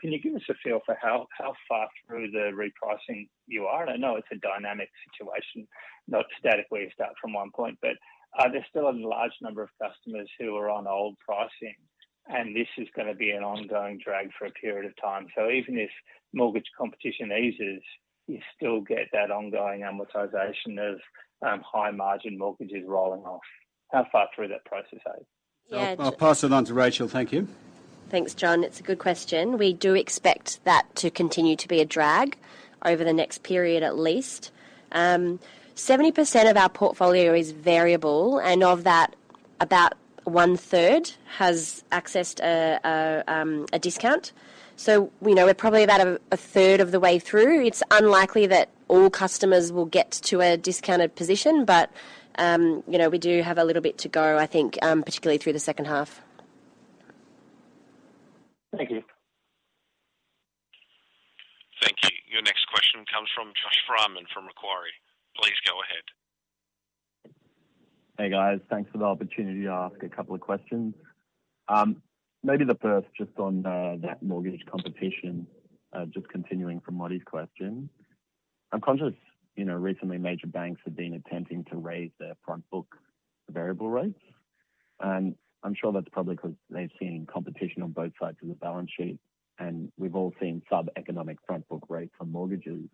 Can you give us a feel for how far through the repricing you are? I know it's a dynamic situation, not static where you start from one point, but are there still a large number of customers who are on old pricing? This is gonna be an ongoing drag for a period of time. Even if mortgage competition eases, you still get that ongoing amortization of high margin mortgages rolling off. How far through that process are you? I'll pass it on to Racheal. Thank you. Thanks, John. It's a good question. We do expect that to continue to be a drag over the next period, at least. 70% of our portfolio is variable, and of that, about one-third has accessed a discount. We know we're probably about a third of the way through. It's unlikely that all customers will get to a discounted position, but, you know, we do have a little bit to go, I think, particularly through the second half. Thank you. Thank you. Your next question comes from Josh Freiman from Macquarie. Please go ahead. Hey, guys. Thanks for the opportunity to ask a couple of questions. Maybe the first just on that mortgage competition, just continuing from Marty's question. I'm conscious, you know, recently major banks have been attempting to raise their front book variable rates, and I'm sure that's probably 'cause they've seen competition on both sides of the balance sheet, and we've all seen sub-economic front book rates on mortgages.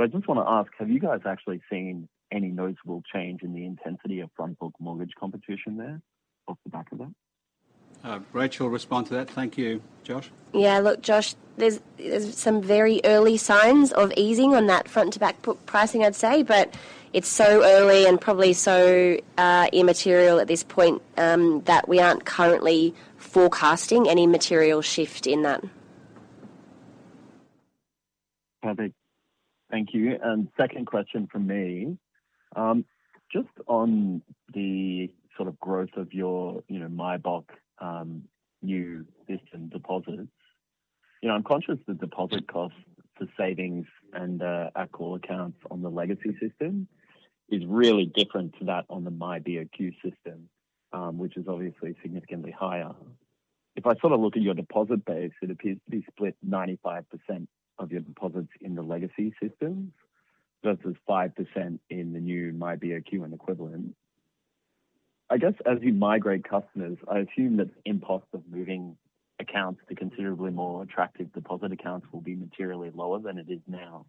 I just wanna ask, have you guys actually seen any noticeable change in the intensity of front book mortgage competition there off the back of that? Racheal, respond to that. Thank you, Josh. Yeah. Look, Josh, there's some very early signs of easing on that front to back book pricing, I'd say, but it's so early and probably so immaterial at this point, that we aren't currently forecasting any material shift in that. Perfect. Thank you. Second question from me. Just on the sort of growth of your, you know, myBOQ, new system deposits. You know, I'm conscious the deposit cost for savings and at call accounts on the legacy system is really different to that on the myBOQ system. Which is obviously significantly higher. If I sort of look at your deposit base, it appears to be split 95% of your deposits in the legacy systems versus 5% in the new myBOQ and equivalent. I guess, as you migrate customers, I assume that the impulse of moving accounts to considerably more attractive deposit accounts will be materially lower than it is now.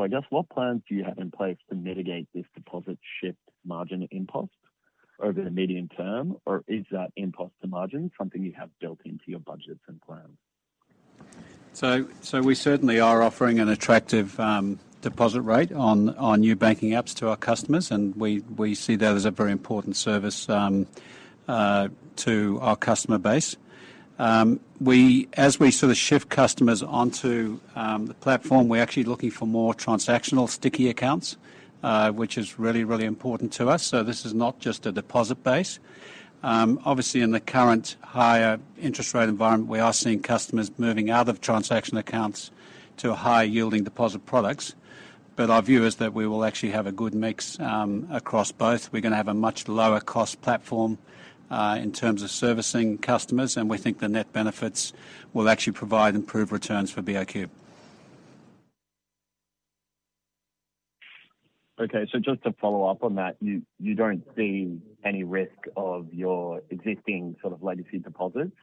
I guess, what plans do you have in place to mitigate this deposit shift margin impulse over the medium term? Or is that impulse to margin something you have built into your budgets and plans? We certainly are offering an attractive deposit rate on new banking apps to our customers, and we see that as a very important service to our customer base. As we sort of shift customers onto the platform, we're actually looking for more transactional sticky accounts, which is really important to us. This is not just a deposit base. Obviously, in the current higher interest rate environment, we are seeing customers moving out of transaction accounts to higher yielding deposit products. Our view is that we will actually have a good mix across both. We're gonna have a much lower cost platform in terms of servicing customers, and we think the net benefits will actually provide improved returns for BOQ. Okay. Just to follow up on that, you don't see any risk of your existing sort of legacy deposits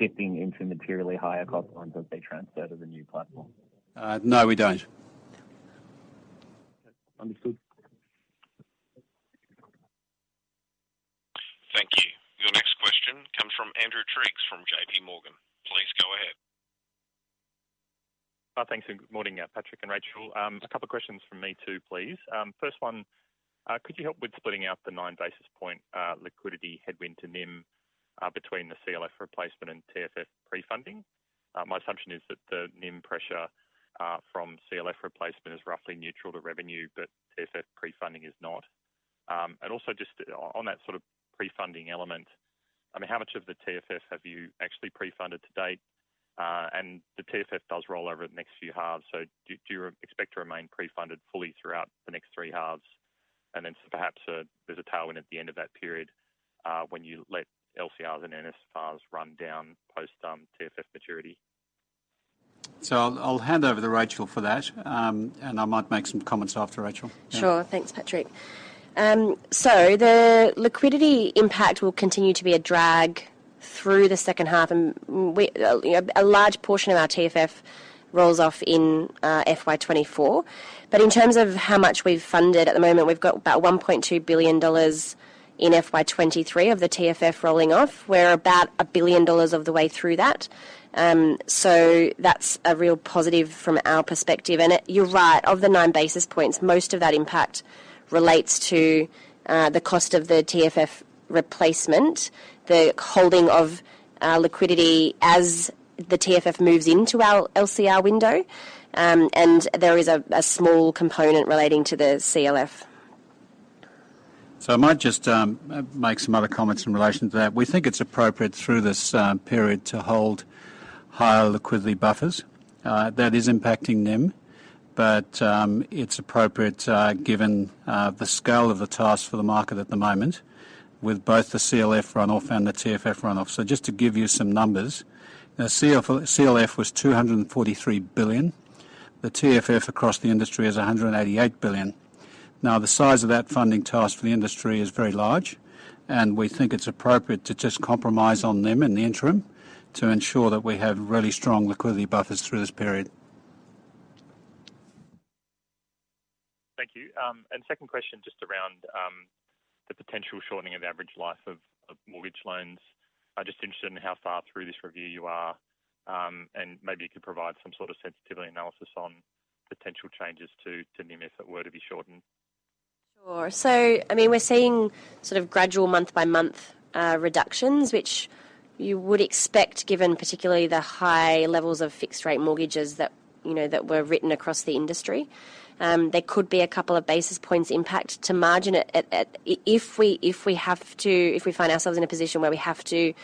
shifting into materially higher cost ones as they transfer to the new platform? No, we don't. Understood. Thank you. Your next question comes from Andrew Triggs from JPMorgan. Please go ahead. Thanks, Good morning, Patrick and Racheal. A couple of questions from me too, please. First one, could you help with splitting out the 9 basis point liquidity headwind to NIM between the CLF replacement and TFF pre-funding? My assumption is that the NIM pressure from CLF replacement is roughly neutral to revenue, but TFF pre-funding is not. Also just on that sort of pre-funding element, I mean, how much of the TFF have you actually pre-funded to date? The TFF does roll over the next few halves, so do you expect to remain pre-funded fully throughout the next three halves? Then perhaps there's a tailwind at the end of that period, when you let LCR and NSFRs run down post TFF maturity. I'll hand over to Racheal for that. I might make some comments after Racheal. Sure. Thanks, Patrick. The liquidity impact will continue to be a drag through the second half, and you know, a large portion of our TFF rolls off in FY 2024. In terms of how much we've funded, at the moment, we've got about 1.2 billion dollars in FY 2023 of the TFF rolling off. We're about 1 billion dollars of the way through that. That's a real positive from our perspective. You're right. Of the 9 basis points, most of that impact relates to the cost of the TFF replacement, the holding of liquidity as the TFF moves into our LCR window. There is a small component relating to the CLF. I might just make some other comments in relation to that. We think it's appropriate through this period to hold higher liquidity buffers. That is impacting NIM, but it's appropriate given the scale of the task for the market at the moment with both the CLF run-off and the TFF run-off. Just to give you some numbers, CLF was 243 billion. The TFF across the industry is 188 billion. The size of that funding task for the industry is very large, and we think it's appropriate to just compromise on NIM in the interim to ensure that we have really strong liquidity buffers through this period. Thank you. Second question just around the potential shortening of average life of mortgage loans. I'm just interested in how far through this review you are, and maybe you could provide some sort of sensitivity analysis on potential changes to NIM if it were to be shortened. Sure. I mean, we're seeing sort of gradual month-by-month reductions, which you would expect, given particularly the high levels of fixed rate mortgages that, you know, that were written across the industry. There could be a couple of basis points impact to margin at. If we have to, if we find ourselves in a position where we have to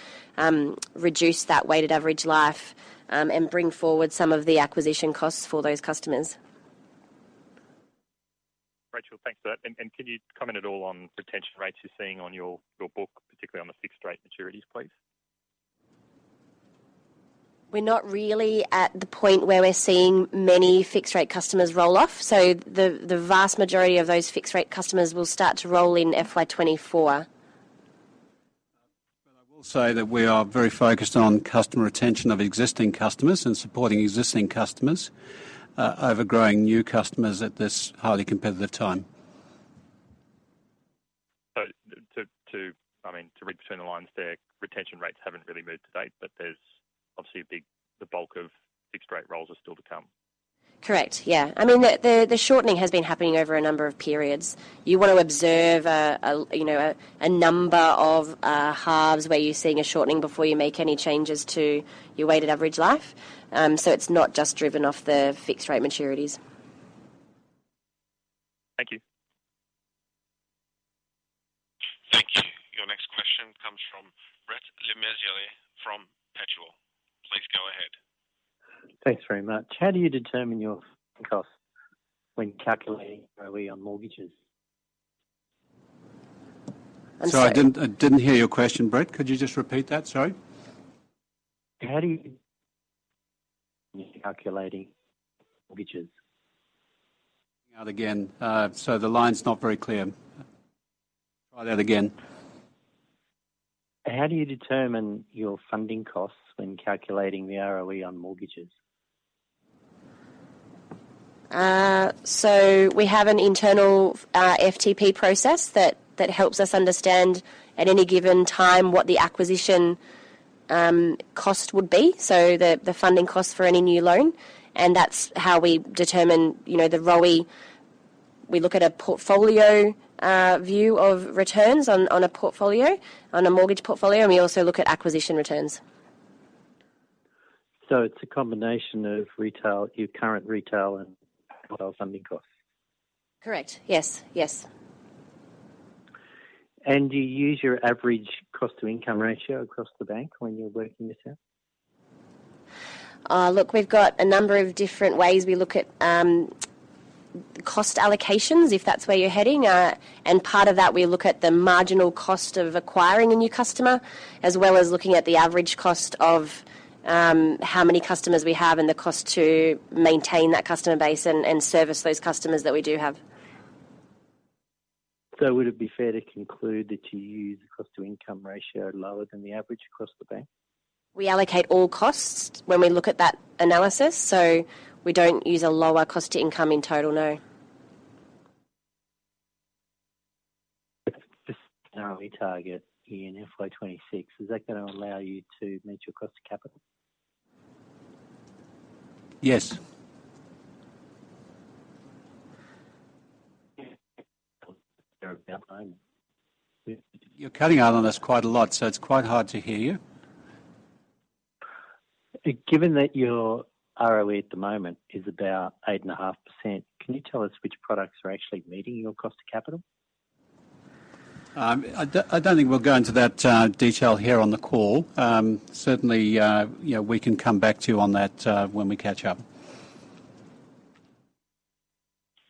reduce that weighted average life and bring forward some of the acquisition costs for those customers. Racheal, thanks for that. Can you comment at all on retention rates you're seeing on your book, particularly on the fixed rate maturities, please? We're not really at the point where we're seeing many fixed rate customers roll off, the vast majority of those fixed rate customers will start to roll in FY 2024. I will say that we are very focused on customer retention of existing customers and supporting existing customers, over growing new customers at this highly competitive time. I mean, to read between the lines there, retention rates haven't really moved to date, but there's obviously the bulk of fixed rate rolls are still to come. Correct. Yeah. I mean, the shortening has been happening over a number of periods. You wanna observe, a, you know, a number of halves where you're seeing a shortening before you make any changes to your weighted average life. It's not just driven off the fixed rate maturities. Thank you. Thank you. Your next question comes from Brett Le Mesurier from Velocity. Thanks very much. How do you determine your costs when calculating ROE on mortgages? Sorry, I didn't hear your question, Brett. Could you just repeat that? Sorry. How do you calculating mortgages? Out again. The line's not very clear. Try that again. How do you determine your funding costs when calculating the ROE on mortgages? We have an internal FTP process that helps us understand at any given time what the acquisition cost would be, so the funding cost for any new loan. That's how we determine, you know, the ROE. We look at a portfolio view of returns on a portfolio, on a mortgage portfolio, and we also look at acquisition returns. It's a combination of retail, your current retail and funding costs? Correct. Yes. Yes. Do you use your average cost-to-income ratio across the bank when you're working this out? Look, we've got a number of different ways we look at cost allocations, if that's where you're heading. Part of that, we look at the marginal cost of acquiring a new customer, as well as looking at the average cost of how many customers we have and the cost to maintain that customer base and service those customers that we do have. Would it be fair to conclude that you use a cost-to-income ratio lower than the average across the bank? We allocate all costs when we look at that analysis, so we don't use a lower cost to income in total, no. target in FY 2026, is that gonna allow you to meet your cost to capital? Yes. You're cutting out on us quite a lot, so it's quite hard to hear you. Given that your ROE at the moment is about 8.5%, can you tell us which products are actually meeting your cost of capital? I don't think we'll go into that detail here on the call. Certainly, you know, we can come back to you on that when we catch up.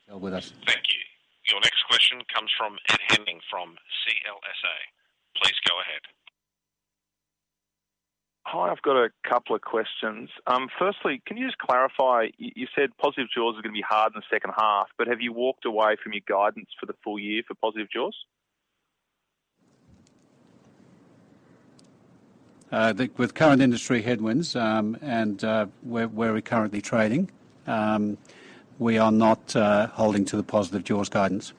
Thank you. Your next question comes from Ed Henning from CLSA. Please go ahead. Hi, I've got a couple of questions. Firstly, can you just clarify, you said positive jaws are gonna be hard in the second half, but have you walked away from your guidance for the full year for positive jaws? I think with current industry headwinds, and, where we're currently trading, we are not holding to the positive jaws guidance.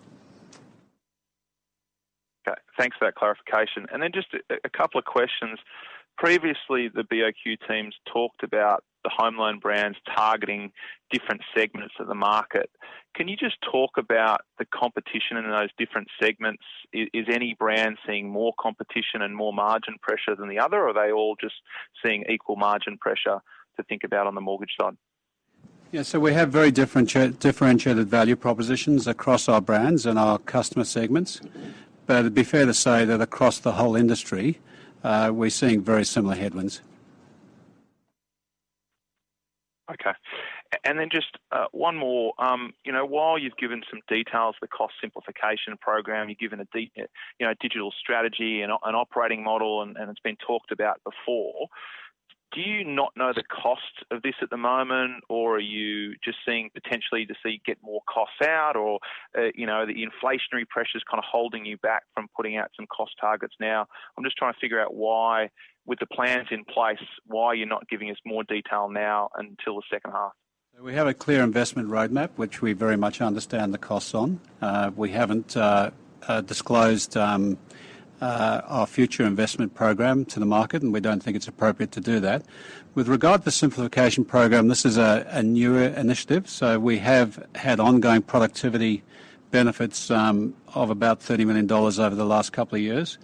Okay. Thanks for that clarification. Just a couple of questions. Previously, the BOQ teams talked about the home loan brands targeting different segments of the market. Can you just talk about the competition in those different segments? Is any brand seeing more competition and more margin pressure than the other, or are they all just seeing equal margin pressure to think about on the mortgage side? Yeah. We have very differentiated value propositions across our brands and our customer segments. It'd be fair to say that across the whole industry, we're seeing very similar headwinds. Okay. Just, one more. You know, while you've given some details, the cost simplification program, you've given a digital strategy and an operating model, and it's been talked about before. Do you not know the cost of this at the moment, or are you just seeing potentially to see get more costs out or, you know, the inflationary pressure's kinda holding you back from putting out some cost targets now? I'm just trying to figure out why, with the plans in place, why you're not giving us more detail now until the second half? We have a clear investment roadmap, which we very much understand the costs on. We haven't disclosed our future investment program to the market. We don't think it's appropriate to do that. With regard to the simplification program, this is a newer initiative. We have had ongoing productivity benefits of about 30 million dollars over the last couple of years.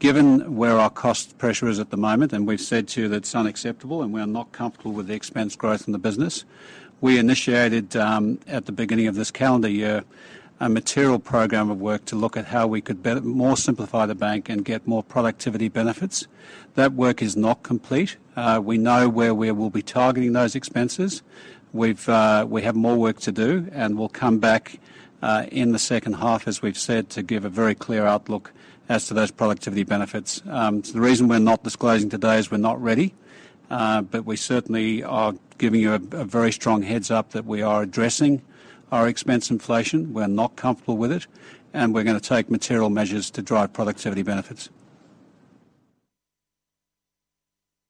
Given where our cost pressure is at the moment, we've said to you that it's unacceptable and we are not comfortable with the expense growth in the business. We initiated at the beginning of this calendar year a material program of work to look at how we could more simplify the bank and get more productivity benefits. That work is not complete. We know where we will be targeting those expenses. We've, we have more work to do. We'll come back, in the second half, as we've said, to give a very clear outlook as to those productivity benefits. The reason we're not disclosing today is we're not ready. We certainly are giving you a very strong heads-up that we are addressing our expense inflation, we're not comfortable with it, and we're gonna take material measures to drive productivity benefits.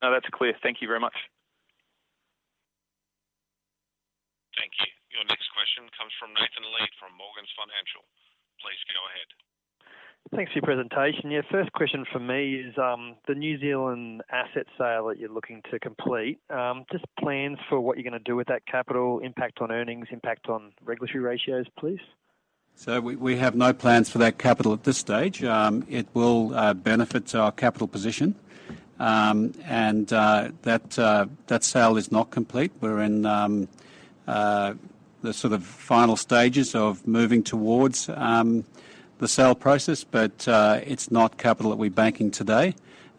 No, that's clear. Thank you very much. Thank you. Your next question comes from Nathan Lead from Morgans Financial. Please go ahead. Thanks for your presentation. First question from me is, the New Zealand asset sale that you're looking to complete, just plans for what you're gonna do with that capital, impact on earnings, impact on regulatory ratios, please? We have no plans for that capital at this stage. It will benefit our capital position. That sale is not complete. We're in the sort of final stages of moving towards the sale process, but it's not capital that we're banking today.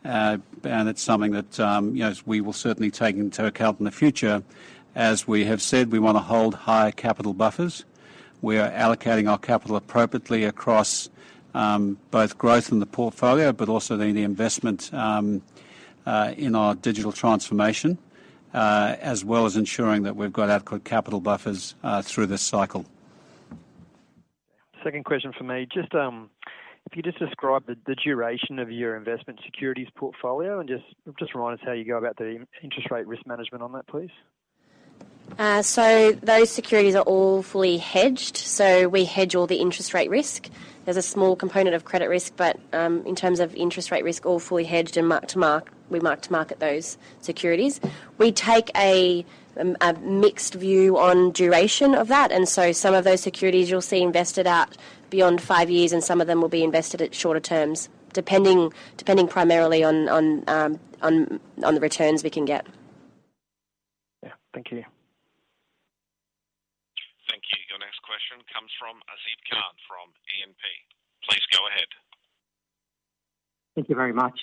It's something that, you know, we will certainly take into account in the future. As we have said, we wanna hold higher capital buffers. We are allocating our capital appropriately across both growth in the portfolio, but also the investment in our digital transformation, as well as ensuring that we've got adequate capital buffers through this cycle. Second question from me. Just, if you describe the duration of your investment securities portfolio and just remind us how you go about the interest rate risk management on that, please. Those securities are all fully hedged. We hedge all the interest rate risk. There's a small component of credit risk, but in terms of interest rate risk, all fully hedged and mark-to-mark. We mark to market those securities. We take a mixed view on duration of that, and so some of those securities you'll see invested out beyond five years, and some of them will be invested at shorter terms, depending primarily on the returns we can get. Yeah. Thank you. Thank you. Your next question comes from Azib Khan from Morgans Financial. Please go ahead. Thank you very much.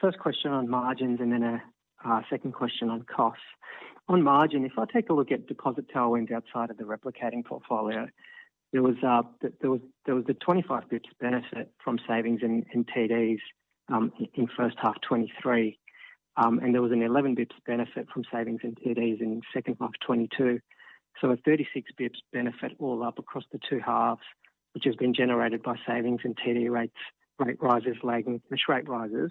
First question on margins and then a second question on costs. On margin, if I take a look at deposit tailwinds outside of the replicating portfolio, there was the 25 basis points benefit from savings in TDs in first half 2023. There was an 11 basis points benefit from savings in TDs in second half 2022. A 36 basis points benefit all up across the two halves, which has been generated by savings and TD rates, rate rises lagging cash rate rises.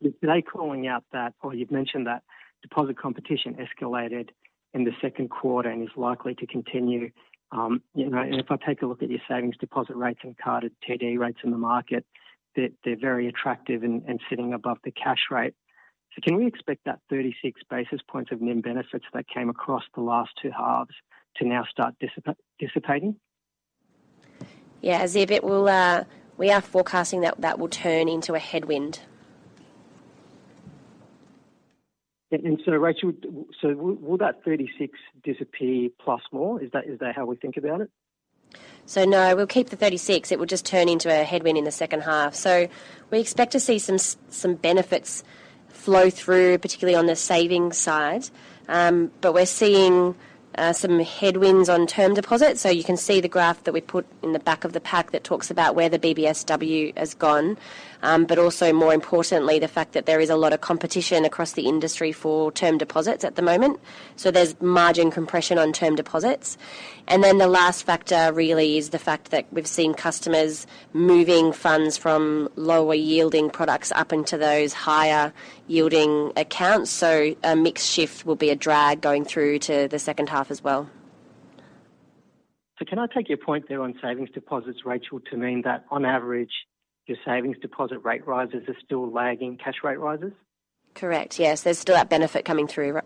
With they calling out that or you've mentioned that deposit competition escalated in the second quarter and is likely to continue, you know, if I take a look at your savings deposit rates and carded TD rates in the market, they're very attractive and sitting above the cash rate. Can we expect that 36 basis points of NIM benefits that came across the last 2 halves to now start dissipating? Yeah. Azib, we are forecasting that will turn into a headwind. Yeah. Racheal, will that 36 disappear plus more? Is that how we think about it? No, we'll keep the 36. It will just turn into a headwind in the second half. We expect to see some benefits flow through, particularly on the savings side. We're seeing some headwinds on term deposits. You can see the graph that we put in the back of the pack that talks about where the BBSW has gone. Also more importantly, the fact that there is a lot of competition across the industry for term deposits at the moment. There's margin compression on term deposits. The last factor really is the fact that we've seen customers moving funds from lower yielding products up into those higher yielding accounts. A mix shift will be a drag going through to the second half as well. Can I take your point there on savings deposits, Racheal, to mean that on average, your savings deposit rate rises are still lagging cash rate rises? Correct. Yes. There's still that benefit coming through, right.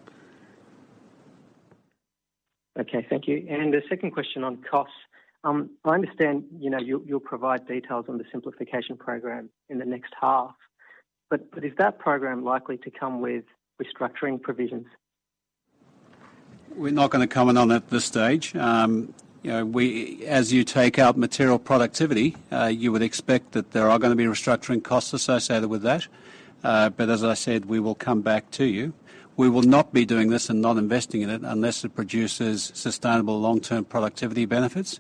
Okay. Thank you. A second question on costs. I understand, you know, you'll provide details on the simplification program in the next half, but is that program likely to come with restructuring provisions? We're not gonna comment on it at this stage. you know, as you take out material productivity, you would expect that there are gonna be restructuring costs associated with that. As I said, we will come back to you. We will not be doing this and not investing in it unless it produces sustainable long-term productivity benefits.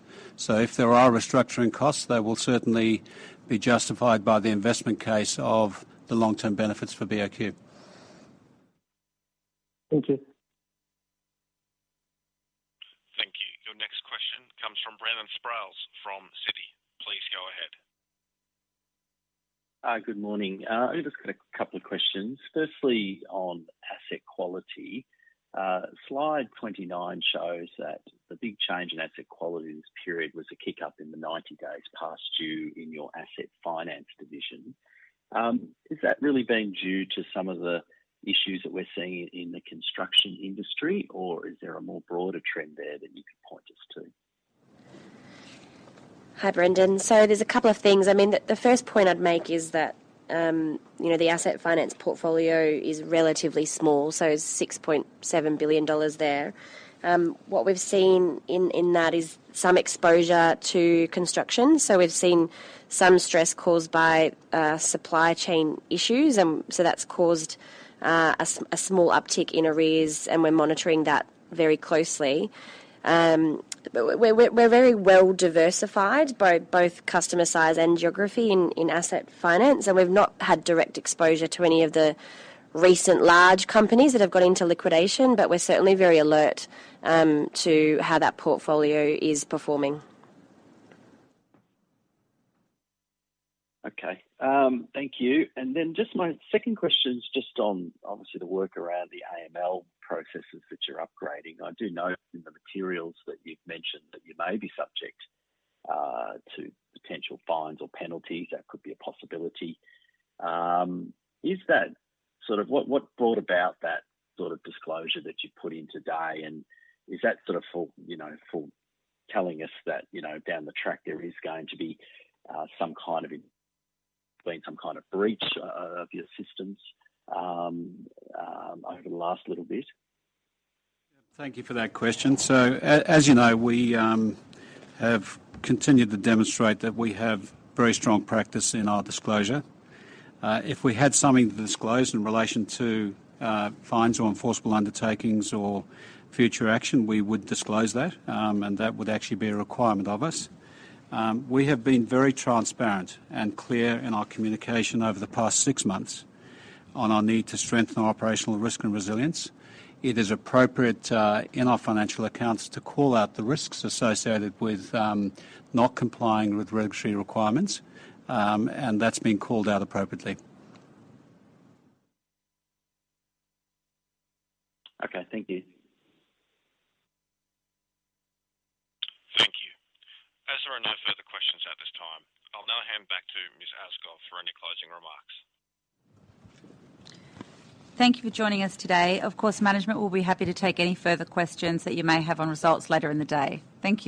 If there are restructuring costs, they will certainly be justified by the investment case of the long-term benefits for BOQ. Thank you. Thank you. Your next question comes from Brendan Sproules from Citi. Please go ahead. Good morning. I've just got a couple of questions. Firstly, on asset quality. Slide 29 shows that the big change in asset quality this period was a kick up in the 90 days past due in your asset finance division. Has that really been due to some of the issues that we're seeing in the construction industry, or is there a more broader trend there that you could point us to? Hi, Brendan. There's a couple of things. I mean, the first point I'd make is that, you know, the asset finance portfolio is relatively small, so 6.7 billion dollars there. What we've seen in that is some exposure to construction. We've seen some stress caused by supply chain issues. That's caused a small uptick in arrears, and we're monitoring that very closely. We're very well diversified by both customer size and geography in asset finance. We've not had direct exposure to any of the recent large companies that have gone into liquidation, but we're certainly very alert to how that portfolio is performing. Okay. Thank you. Just my second question is just on, obviously the work around the AML processes that you're upgrading. I do note in the materials that you've mentioned that you may be subject to potential fines or penalties. That could be a possibility. Is that sort of what brought about that sort of disclosure that you put in today, and is that sort of for, you know, for telling us that, you know, down the track there is going to be been some kind of breach of your systems over the last little bit? Thank you for that question. As you know, we have continued to demonstrate that we have very strong practice in our disclosure. If we had something to disclose in relation to fines or enforceable undertakings or future action, we would disclose that, and that would actually be a requirement of us. We have been very transparent and clear in our communication over the past six months on our need to strengthen our operational risk and resilience. It is appropriate in our financial accounts to call out the risks associated with not complying with regulatory requirements. And that's been called out appropriately. Okay. Thank you. Thank you. As there are no further questions at this time, I'll now hand back to Ms. Aaskov for any closing remarks. Thank you for joining us today. Of course, management will be happy to take any further questions that you may have on results later in the day. Thank you.